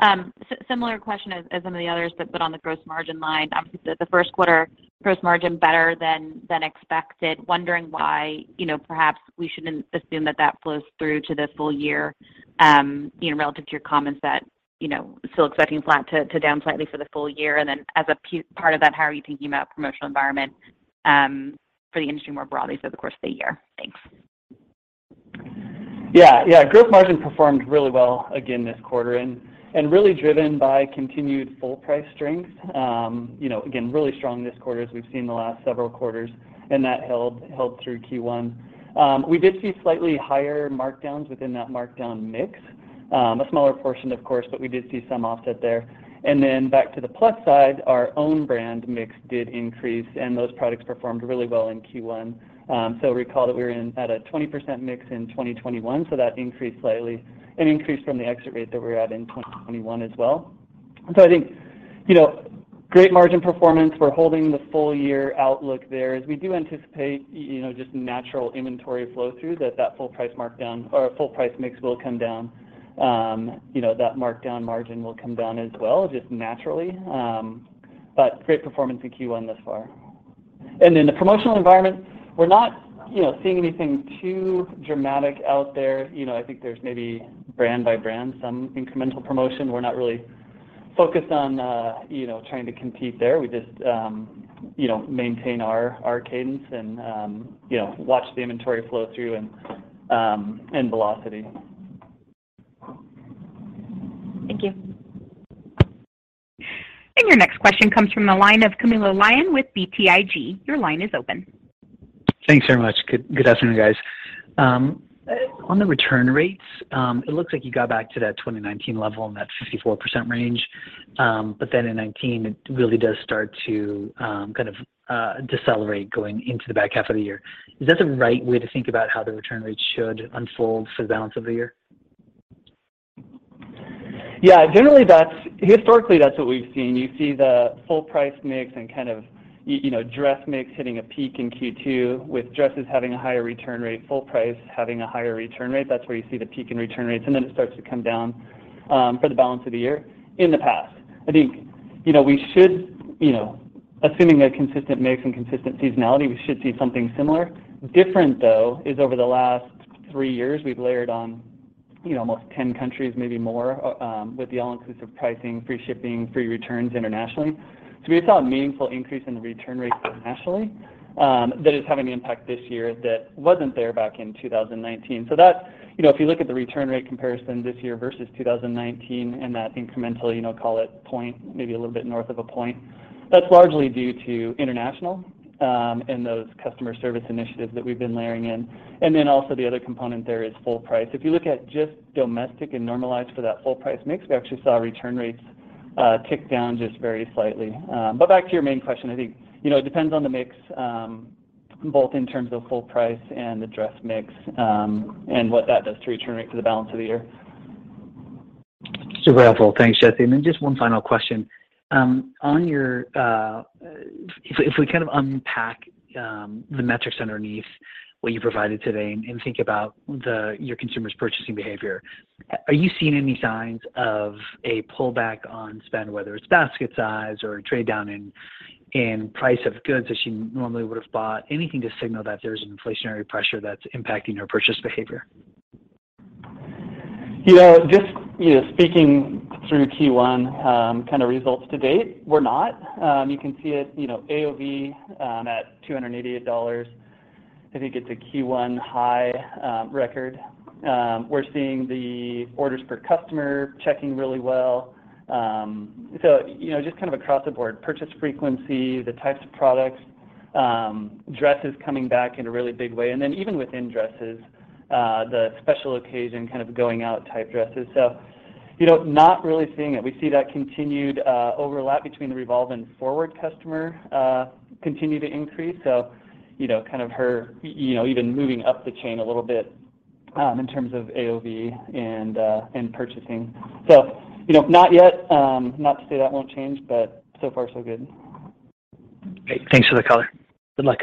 S11: Sort of similar question as some of the others, but on the gross margin line. Obviously the first quarter gross margin better than expected. Wondering why, you know, perhaps we shouldn't assume that that flows through to the full year, you know, relative to your comments that, you know, still expecting flat to down slightly for the full year. Then as a part of that, how are you thinking about promotional environment for the industry more broadly through the course of the year? Thanks.
S5: Yeah. Yeah. Gross margin performed really well again this quarter, and really driven by continued full price strength. You know, again, really strong this quarter as we've seen the last several quarters, and that held through Q1. We did see slightly higher markdowns within that markdown mix. A smaller portion of course, but we did see some offset there. Then back to the plus side, our own brand mix did increase, and those products performed really well in Q1. Recall that we were at a 20% mix in 2021, so that increased slightly. It increased from the exit rate that we were at in 2021 as well. I think, you know, great margin performance. We're holding the full year outlook there as we do anticipate you know, just natural inventory flow through that full price markdown or full price mix will come down. You know, that markdown margin will come down as well, just naturally. Great performance in Q1 thus far. In the promotional environment, we're not you know, seeing anything too dramatic out there. You know, I think there's maybe brand by brand some incremental promotion. We're not really focused on you know, trying to compete there. We just you know, maintain our cadence and you know, watch the inventory flow through and velocity.
S11: Thank you.
S1: Your next question comes from the line of Camilo Lyon with BTIG. Your line is open.
S12: Thanks very much. Good afternoon, guys. On the return rates, it looks like you got back to that 2019 level and that 54% range. In 2019 it really does start to, kind of, decelerate going into the back half of the year. Is that the right way to think about how the return rates should unfold for the balance of the year?
S5: Yeah. Generally that's. Historically, that's what we've seen. You see the full price mix and kind of, you know, dress mix hitting a peak in Q2 with dresses having a higher return rate, full price having a higher return rate. That's where you see the peak in return rates, and then it starts to come down for the balance of the year in the past. I think, you know, we should, you know, assuming a consistent mix and consistent seasonality, we should see something similar. Different though is over the last three years, we've layered on, you know, almost 10 countries, maybe more, with the all-inclusive pricing, free shipping, free returns internationally. So we saw a meaningful increase in the return rates internationally, that is having an impact this year that wasn't there back in 2019. That, you know, if you look at the return rate comparison this year versus 2019 and that incremental, you know, call it point, maybe a little bit north of a point, that's largely due to international and those customer service initiatives that we've been layering in. Also the other component there is full price. If you look at just domestic and normalized for that full price mix, we actually saw return rates tick down just very slightly. Back to your main question, I think, you know, it depends on the mix, both in terms of full price and the dress mix, and what that does to return rate for the balance of the year.
S12: Super helpful. Thanks, Jesse. Just one final question. On your if we kind of unpack the metrics underneath what you provided today and think about your consumers' purchasing behavior, are you seeing any signs of a pullback on spend, whether it's basket size or a trade down in price of goods that you normally would've bought? Anything to signal that there's an inflationary pressure that's impacting your purchase behavior?
S5: You know, just you know speaking through Q1 kind of results to date, we're not. You can see it, you know, AOV at $288. I think it's a Q1 high record. We're seeing the orders per customer clicking really well. So, you know, just kind of across the board, purchase frequency, the types of products, dresses coming back in a really big way, and then even within dresses, the special occasion kind of going out type dresses. You know, not really seeing it. We see that continued overlap between the Revolve and FWRD customer continue to increase. You know, kind of higher, you know, even moving up the chain a little bit in terms of AOV and purchasing. You know, not yet. Not to say that won't change, but so far so good.
S12: Great. Thanks for the color. Good luck.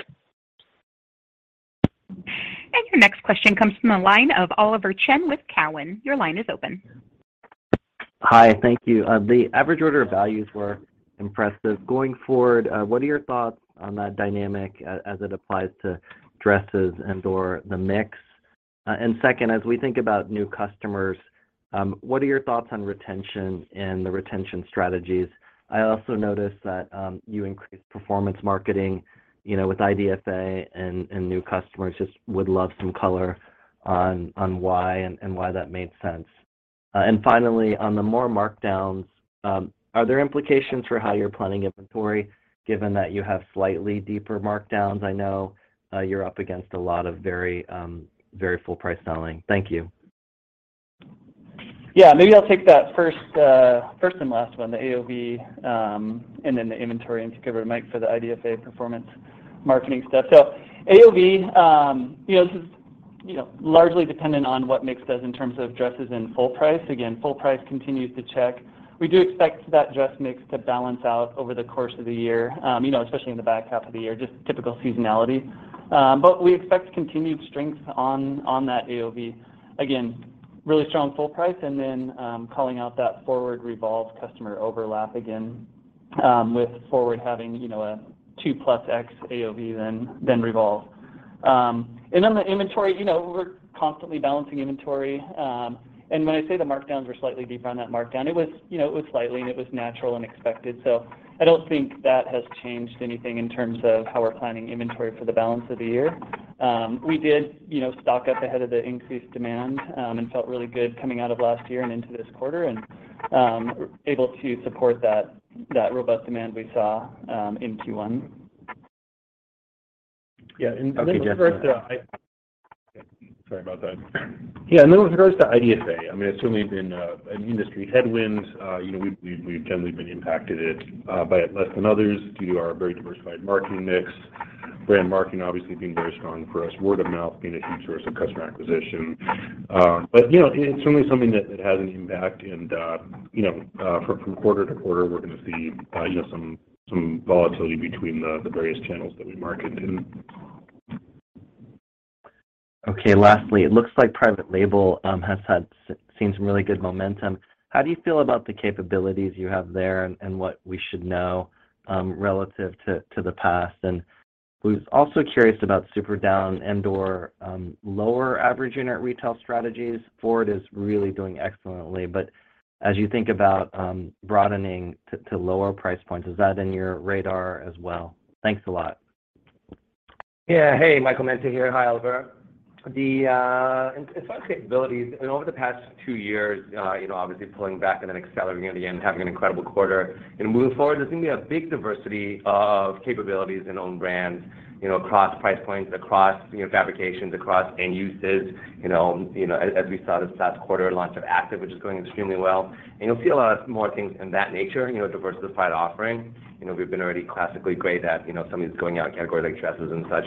S1: Your next question comes from the line of Oliver Chen with Cowen. Your line is open.
S13: Hi. Thank you. The average order values were impressive. Going forward, what are your thoughts on that dynamic as it applies to dresses and/or the mix? And second, as we think about new customers, what are your thoughts on retention and the retention strategies? I also noticed that you increased performance marketing, you know, with IDFA and new customers. Just would love some color on why and why that made sense. And finally, on the more markdowns, are there implications for how you're planning inventory given that you have slightly deeper markdowns? I know you're up against a lot of very full price selling. Thank you.
S5: Yeah. Maybe I'll take that first and last one, the AOV, and then the inventory, and give it to Mike for the IDFA performance marketing stuff. AOV, you know, this is, you know, largely dependent on what mix does in terms of dresses and full price. Again, full price continues to check. We do expect that dress mix to balance out over the course of the year, you know, especially in the back half of the year, just typical seasonality. We expect continued strength on that AOV. Again, really strong full price and then, calling out that FWRD Revolve customer overlap again. With FWRD having, you know, a 2+ x AOV than Revolve. On the inventory, you know, we're constantly balancing inventory. When I say the markdowns were slightly deeper on that markdown, it was, you know, it was slightly and it was natural and expected. I don't think that has changed anything in terms of how we're planning inventory for the balance of the year. We did, you know, stock up ahead of the increased demand, and felt really good coming out of last year and into this quarter, and able to support that robust demand we saw in Q1.
S3: Yeah. With regards to.
S13: Okay, Jesse.
S3: Sorry about that. Yeah. With regards to IDFA, I mean, it's certainly been an industry headwind. You know, we've generally been impacted by it less than others due to our very diversified marketing mix. Brand marketing obviously being very strong for us, word of mouth being a huge source of customer acquisition. You know, it's certainly something that has an impact and you know from quarter to quarter, we're gonna see you know some volatility between the various channels that we market in.
S13: Okay. Lastly, it looks like private label has seen some really good momentum. How do you feel about the capabilities you have there and what we should know relative to the past? I was also curious about Superdown and/or lower average unit retail strategies. FWRD is really doing excellently, but as you think about broadening to lower price points, is that in your radar as well? Thanks a lot.
S4: Hey, Michael Mente here. Hi, Oliver Chen. The in-house capabilities and over the past two years, you know, obviously pulling back and then accelerating at the end, having an incredible quarter. Moving forward, there's gonna be a big diversity of capabilities in own brands, you know, across price points, across, you know, fabrications, across end uses, you know, as we saw this last quarter launch of Active, which is going extremely well. You'll see a lot more things in that nature, you know, diversified offering. We've been already classically great at, you know, something that's going-out category like dresses and such.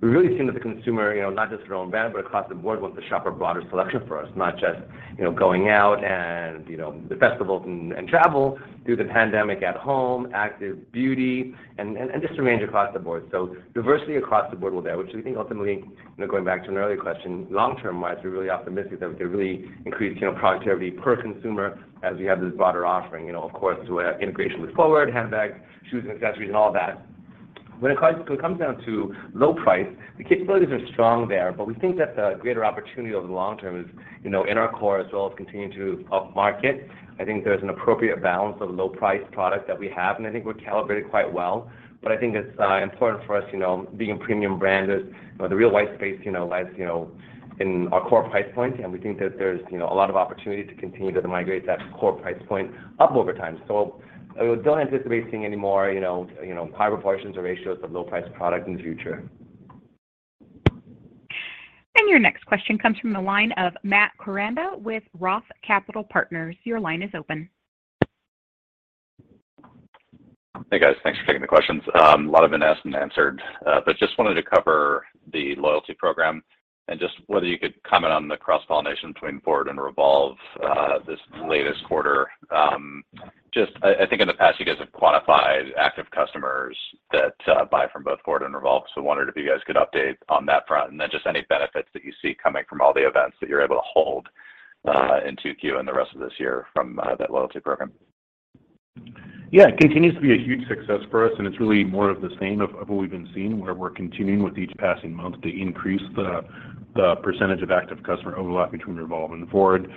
S4: We really seen that the consumer, you know, not just their own brand, but across the board wants to shop a broader selection for us, not just, you know, going out and, you know, the festivals and travel through the pandemic at home, active beauty and just a range across the board. Diversity across the board is there, which we think ultimately, you know, going back to an earlier question, long-term wise, we're really optimistic that we can really increase, you know, productivity per consumer as we have this broader offering. You know, of course, through our integration with FWRD, handbags, shoes, and accessories, and all that. When it comes down to low price, the capabilities are strong there, but we think that the greater opportunity over the long term is, you know, in our core as well as continuing to upmarket. I think there's an appropriate balance of low price product that we have, and I think we're calibrated quite well. I think it's important for us, you know, being a premium brand is, you know, the real white space, you know, lies, you know, in our core price point, and we think that there's, you know, a lot of opportunity to continue to migrate that core price point up over time. I don't anticipate seeing any more, you know, high proportions or ratios of low price product in the future.
S1: Your next question comes from the line of Matt Koranda with Roth Capital Partners. Your line is open.
S14: Hey, guys. Thanks for taking the questions. A lot have been asked and answered, but just wanted to cover the loyalty program and just whether you could comment on the cross-pollination between FWRD and Revolve, this latest quarter. I think in the past, you guys have quantified active customers that buy from both FWRD and Revolve. Wondered if you guys could update on that front, and then just any benefits that you see coming from all the events that you're able to hold in 2Q and the rest of this year from that loyalty program.
S3: Yeah. It continues to be a huge success for us, and it's really more of the same of what we've been seeing, where we're continuing with each passing month to increase the percentage of active customer overlap between Revolve and FWRD.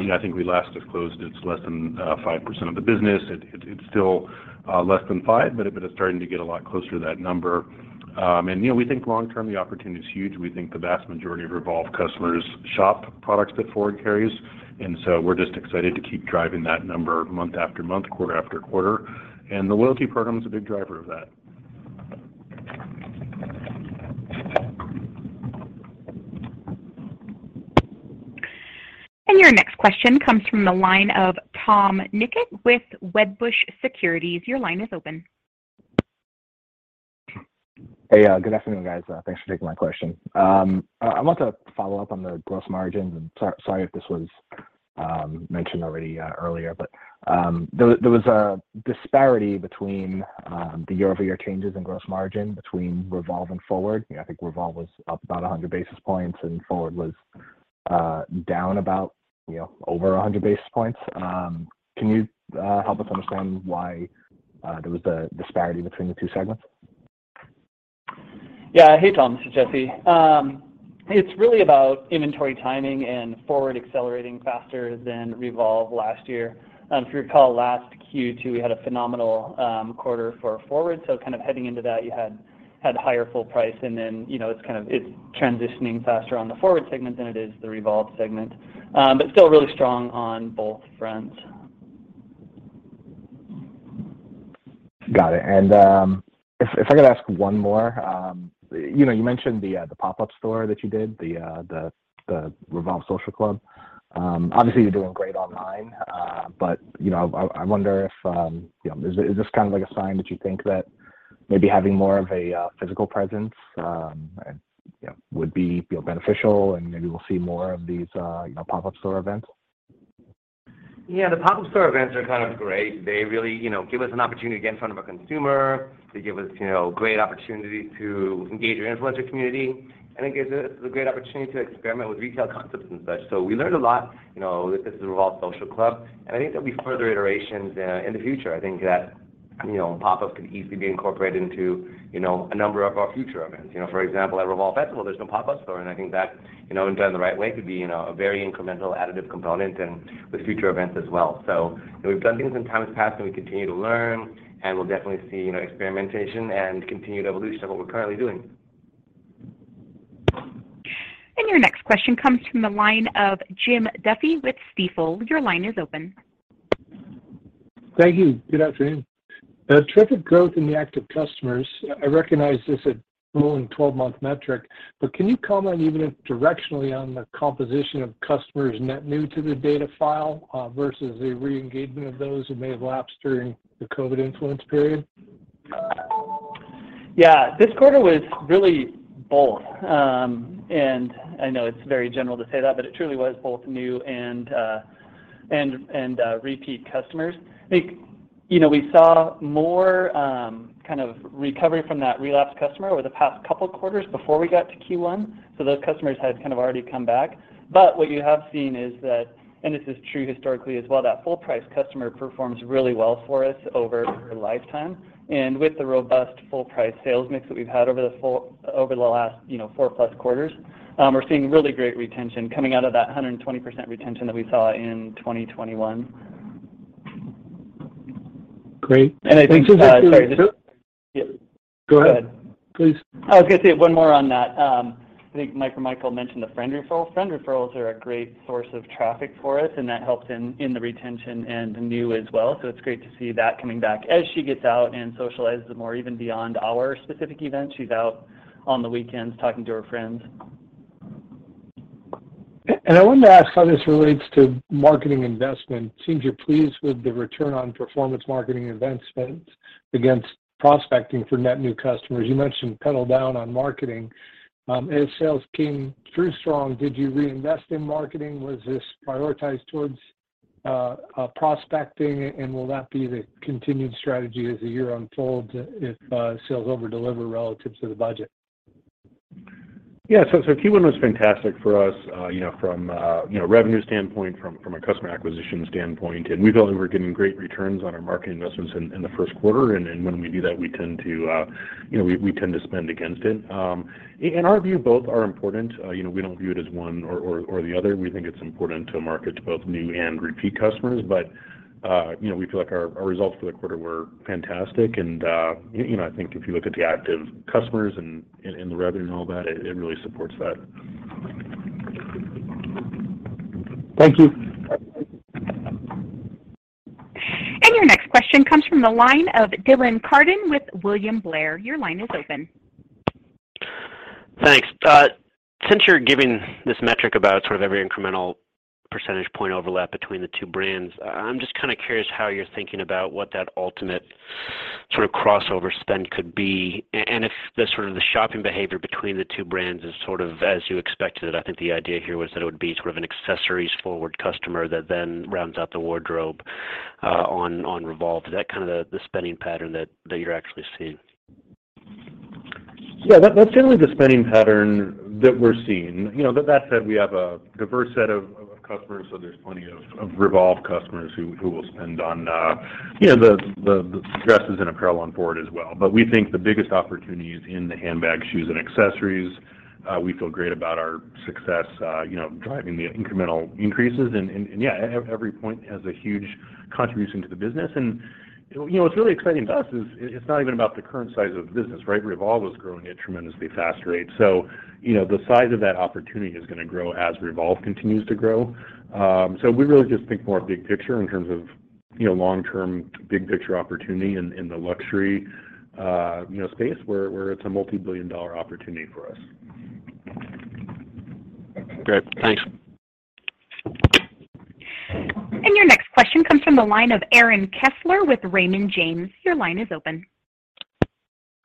S3: You know, I think we last disclosed it's less than 5% of the business. It's still less than 5%, but it's starting to get a lot closer to that number. You know, we think long term the opportunity is huge. We think the vast majority of Revolve customers shop products that FWRD carries, and so we're just excited to keep driving that number month after month, quarter after quarter. The loyalty program is a big driver of that.
S1: Your next question comes from the line of Tom Nikic with Wedbush Securities. Your line is open.
S15: Hey. Good afternoon, guys. Thanks for taking my question. I wanted to follow up on the gross margins, and sorry if this was mentioned already earlier. There was a disparity between the year-over-year changes in gross margin between Revolve and FWRD. You know, I think Revolve was up about 100 basis points and FWRD was down about, you know, over 100 basis points. Can you help us understand why there was a disparity between the two segments?
S5: Yeah. Hey, Tom, this is Jesse. It's really about inventory timing and FWRD accelerating faster than Revolve last year. If you recall last Q2, we had a phenomenal quarter for FWRD, so kind of heading into that, you had higher full price and then, you know, it's kind of transitioning faster on the FWRD segment than it is the Revolve segment. But still really strong on both fronts.
S15: Got it. If I could ask one more. You know, you mentioned the pop-up store that you did, the Revolve Social Club. Obviously you're doing great online, but you know, I wonder if you know, is this kind of like a sign that you think that maybe having more of a physical presence, you know, would be, you know, beneficial and maybe we'll see more of these, you know, pop-up store events?
S4: Yeah. The pop-up store events are kind of great. They really, you know, give us an opportunity to get in front of a consumer. They give us, you know, great opportunity to engage our influencer community, and it gives us a great opportunity to experiment with retail concepts and such. So we learned a lot, you know, with this Revolve Social Club, and I think there'll be further iterations in the future. I think that. You know, pop-ups can easily be incorporated into, you know, a number of our future events. You know, for example, at Revolve Festival, there's no pop-up store, and I think that, you know, when done the right way, could be, you know, a very incremental additive component in with future events as well. You know, we've done things in times past, and we continue to learn, and we'll definitely see, you know, experimentation and continued evolution of what we're currently doing.
S1: Your next question comes from the line of Jim Duffy with Stifel. Your line is open.
S16: Thank you. Good afternoon. A terrific growth in the active customers. I recognize this as a 12-month metric, but can you comment even directionally on the composition of customers net new to the data file versus the re-engagement of those who may have lapsed during the COVID influence period?
S5: Yeah. This quarter was really both, and I know it's very general to say that, but it truly was both new and repeat customers. I think, you know, we saw more kind of recovery from that lapsed customer over the past couple quarters before we got to Q1, so those customers had kind of already come back. What you have seen is that, and this is true historically as well, that full-price customer performs really well for us over her lifetime. With the robust full-price sales mix that we've had over the last, you know, four-plus quarters, we're seeing really great retention coming out of that 120% retention that we saw in 2021.
S16: Great. Thanks.
S5: I think.
S16: Go ahead, please.
S5: Oh, I was gonna say one more on that. I think Mike or Michael mentioned the friend referrals. Friend referrals are a great source of traffic for us, and that helps in the retention and the new as well, so it's great to see that coming back. As she gets out and socializes more, even beyond our specific event, she's out on the weekends talking to her friends.
S16: I wanted to ask how this relates to marketing investment. Seems you're pleased with the return on performance marketing investments against prospecting for net new customers. You mentioned pedal down on marketing. As sales came through strong, did you reinvest in marketing? Was this prioritized towards prospecting? Will that be the continued strategy as the year unfolds if sales over-deliver relative to the budget?
S3: Q1 was fantastic for us, you know, from a revenue standpoint, from a customer acquisition standpoint, and we felt like we were getting great returns on our marketing investments in the first quarter. When we do that, we tend to, you know, spend against it. In our view, both are important. You know, we don't view it as one or the other. We think it's important to market to both new and repeat customers. You know, we feel like our results for the quarter were fantastic, and you know, I think if you look at the active customers and the revenue and all that, it really supports that.
S16: Thank you.
S1: Your next question comes from the line of Dylan Carden with William Blair. Your line is open.
S17: Thanks. Since you're giving this metric about sort of every incremental percentage point overlap between the two brands, I'm just kind of curious how you're thinking about what that ultimate sort of crossover spend could be and if the sort of shopping behavior between the two brands is sort of as you expected. I think the idea here was that it would be sort of an accessories-forward customer that then rounds out the wardrobe on Revolve. Is that kind of the spending pattern that you're actually seeing?
S3: Yeah. That's generally the spending pattern that we're seeing. You know, that said, we have a diverse set of customers, so there's plenty of Revolve customers who will spend on, you know, the dresses and apparel on FWRD as well. But we think the biggest opportunity is in the handbag, shoes, and accessories. We feel great about our success, you know, driving the incremental increases and yeah, every point has a huge contribution to the business. You know, what's really exciting to us is it's not even about the current size of the business, right? Revolve is growing at tremendously fast rate. You know, the size of that opportunity is gonna grow as Revolve continues to grow. We really just think more big picture in terms of, you know, long-term, big picture opportunity in the luxury, you know, space where it's a multi-billion-dollar opportunity for us.
S17: Great. Thanks.
S1: Your next question comes from the line of Aaron Kessler with Raymond James. Your line is open.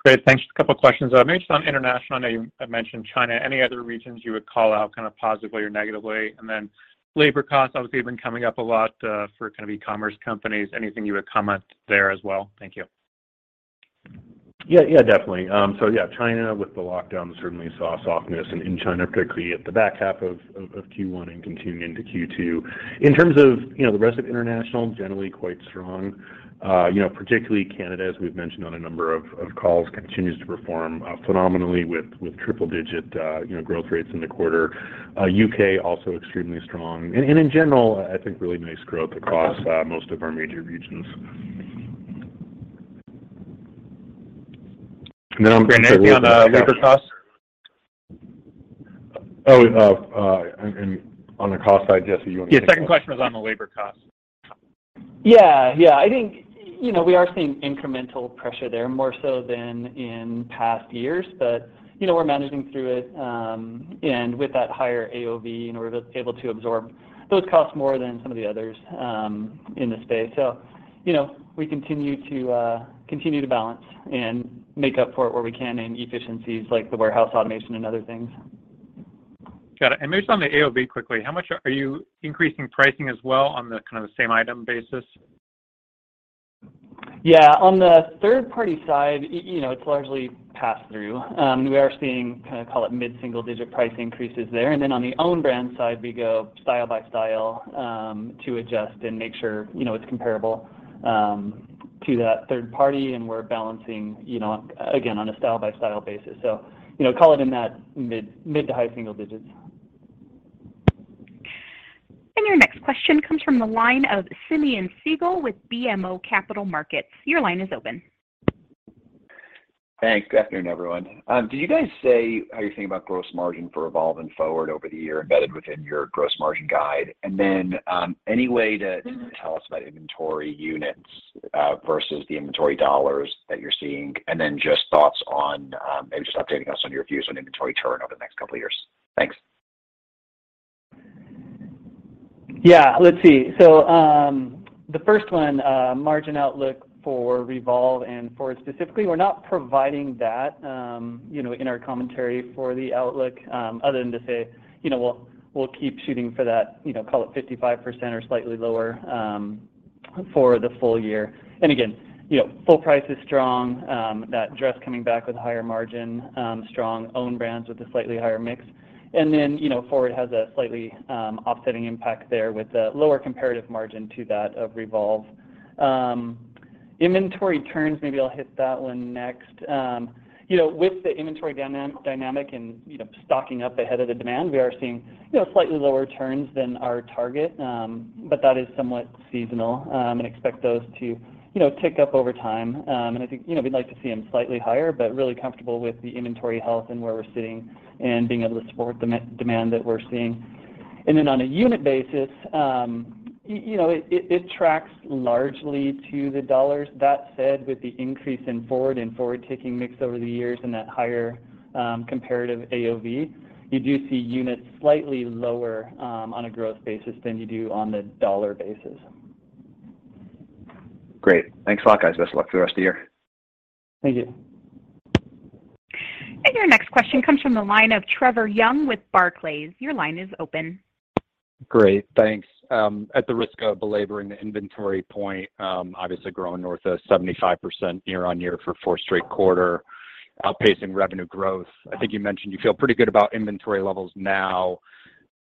S18: Great, thanks. Just a couple questions. Maybe just on international. I know you mentioned China. Any other regions you would call out kind of positively or negatively? And then labor costs obviously have been coming up a lot for kind of e-commerce companies. Anything you would comment there as well? Thank you.
S3: Yeah. Yeah, definitely. China with the lockdown certainly saw softness in China, particularly at the back half of Q1 and continuing into Q2. In terms of, you know, the rest of international, generally quite strong. Particularly Canada, as we've mentioned on a number of calls, continues to perform phenomenally with triple digit, you know, growth rates in the quarter. U.K. also extremely strong. In general, I think really nice growth across most of our major regions.
S18: on the labor costs?
S3: On the cost side, Jesse, you wanna take that one?
S18: Yeah, second question was on the labor cost.
S5: Yeah. Yeah. I think, you know, we are seeing incremental pressure there, more so than in past years. You know, we're managing through it, and with that higher AOV, you know, we're able to absorb those costs more than some of the others, in the space. You know, we continue to balance and make up for it where we can in efficiencies like the warehouse automation and other things.
S18: Got it. Maybe just on the AOV quickly, how much are you increasing pricing as well on the kind of the same item basis?
S5: Yeah. On the third-party side, you know, it's largely pass-through. We are seeing kind of call it mid-single-digit price increases there. And then on the own-brand side, we go style by style to adjust and make sure, you know, it's comparable to that third party, and we're balancing, you know, again, on a style-by-style basis. You know, call it in that mid- to mid-to-high single digits.
S1: Your next question comes from the line of Simeon Siegel with BMO Capital Markets. Your line is open.
S19: Thanks. Good afternoon, everyone. Did you guys say how you're thinking about gross margin for Revolve and FWRD over the year embedded within your gross margin guide? Any way to tell us about inventory units versus the inventory dollars that you're seeing? Just thoughts on maybe just updating us on your views on inventory churn over the next couple of years. Thanks.
S5: Yeah. Let's see. The first one, margin outlook for Revolve and FWRD specifically, we're not providing that, you know, in our commentary for the outlook, other than to say, you know, we'll keep shooting for that, you know, call it 55% or slightly lower, for the full year. Again, you know, full price is strong, that dress coming back with higher margin, strong owned brands with a slightly higher mix. Then, you know, FWRD has a slightly offsetting impact there with a lower comparative margin to that of Revolve. Inventory turns, maybe I'll hit that one next. You know, with the inventory dynamic and, you know, stocking up ahead of the demand, we are seeing, you know, slightly lower turns than our target. that is somewhat seasonal, and expect those to, you know, tick up over time. I think, you know, we'd like to see them slightly higher, but really comfortable with the inventory health and where we're sitting and being able to support the demand that we're seeing. On a unit basis, you know, it tracks largely to the dollars. That said, with the increase in FWRD and FWRD taking mix over the years and that higher, comparative AOV, you do see units slightly lower, on a growth basis than you do on the dollar basis.
S19: Great. Thanks a lot, guys. Best of luck for the rest of the year.
S5: Thank you.
S1: Your next question comes from the line of Trevor Young with Barclays. Your line is open.
S20: Great. Thanks. At the risk of belaboring the inventory point, obviously growing north of 75% year-over-year for four straight quarters, outpacing revenue growth. I think you mentioned you feel pretty good about inventory levels now.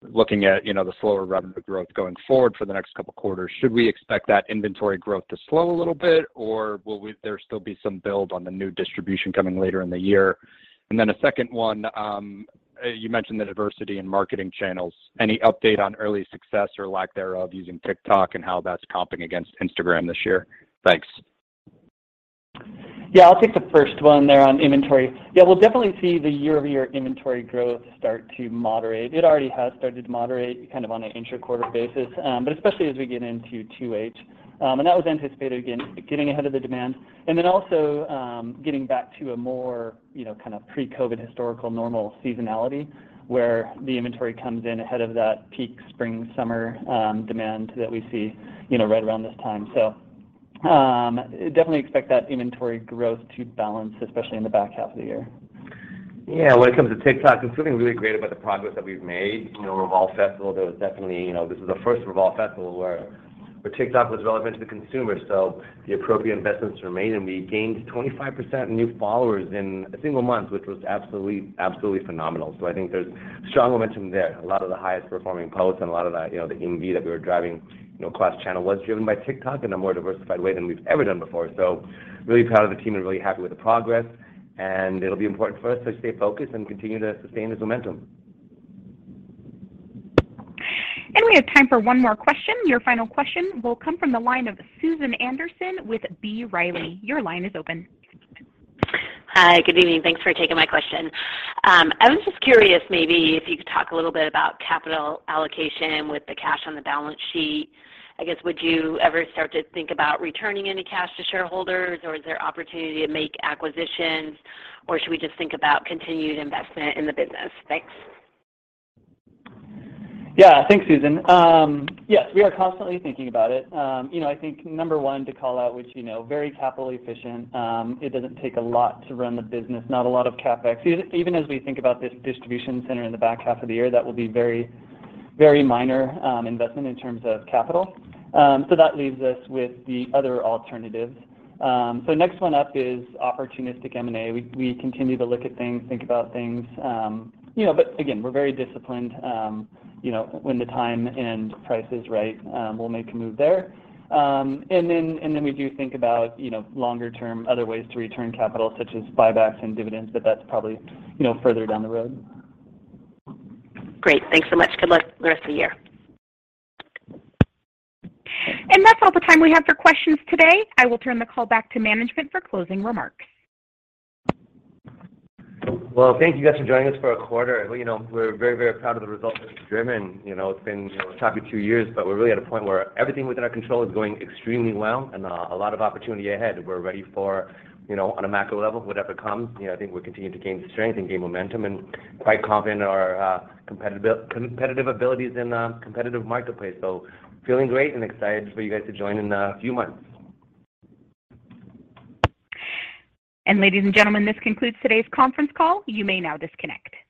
S20: Looking at, you know, the slower revenue growth going forward for the next couple quarters, should we expect that inventory growth to slow a little bit or will there still be some build on the new distribution coming later in the year? A second one, you mentioned the diversity in marketing channels. Any update on early success or lack thereof using TikTok and how that's comping against Instagram this year? Thanks.
S5: Yeah. I'll take the first one there on inventory. Yeah, we'll definitely see the year-over-year inventory growth start to moderate. It already has started to moderate kind of on an inter-quarter basis, but especially as we get into 2H. That was anticipated, again, getting ahead of the demand. Getting back to a more, you know, kind of pre-COVID historical normal seasonality where the inventory comes in ahead of that peak spring/summer demand that we see, you know, right around this time. Definitely expect that inventory growth to balance, especially in the back half of the year.
S4: Yeah. When it comes to TikTok, there's something really great about the progress that we've made. You know, Revolve Festival, there was definitely. You know, this is the first Revolve Festival where TikTok was relevant to the consumer. The appropriate investments were made, and we gained 25% new followers in a single month, which was absolutely phenomenal. I think there's strong momentum there. A lot of the highest performing posts and a lot of the, you know, the EMV that we were driving, you know, cross-channel was driven by TikTok in a more diversified way than we've ever done before. Really proud of the team and really happy with the progress, and it'll be important for us to stay focused and continue to sustain this momentum.
S1: We have time for one more question. Your final question will come from the line of Susan Anderson with B. Riley. Your line is open.
S21: Hi. Good evening. Thanks for taking my question. I was just curious maybe if you could talk a little bit about capital allocation with the cash on the balance sheet. I guess, would you ever start to think about returning any cash to shareholders, or is there opportunity to make acquisitions, or should we just think about continued investment in the business? Thanks.
S5: Yeah. Thanks, Susan. Yes, we are constantly thinking about it. You know, I think number one to call out, which you know, very capital efficient. It doesn't take a lot to run the business, not a lot of CapEx. Even as we think about this distribution center in the back half of the year, that will be very, very minor investment in terms of capital. So that leaves us with the other alternatives. So next one up is opportunistic M&A. We continue to look at things, think about things. You know, but again, we're very disciplined. You know, when the time and price is right, we'll make a move there. We do think about, you know, longer term other ways to return capital such as buybacks and dividends, but that's probably, you know, further down the road.
S21: Great. Thanks so much. Good luck the rest of the year.
S1: That's all the time we have for questions today. I will turn the call back to management for closing remarks.
S4: Well, thank you guys for joining us for our quarter. Well, you know, we're very, very proud of the results that we've driven. You know, it's been a tough two years, but we're really at a point where everything within our control is going extremely well and a lot of opportunity ahead. We're ready for, you know, on a macro level, whatever comes. You know, I think we're continuing to gain strength and gain momentum and quite confident in our competitive abilities in a competitive marketplace. Feeling great and excited for you guys to join in a few months.
S1: Ladies and gentlemen, this concludes today's conference call. You may now disconnect.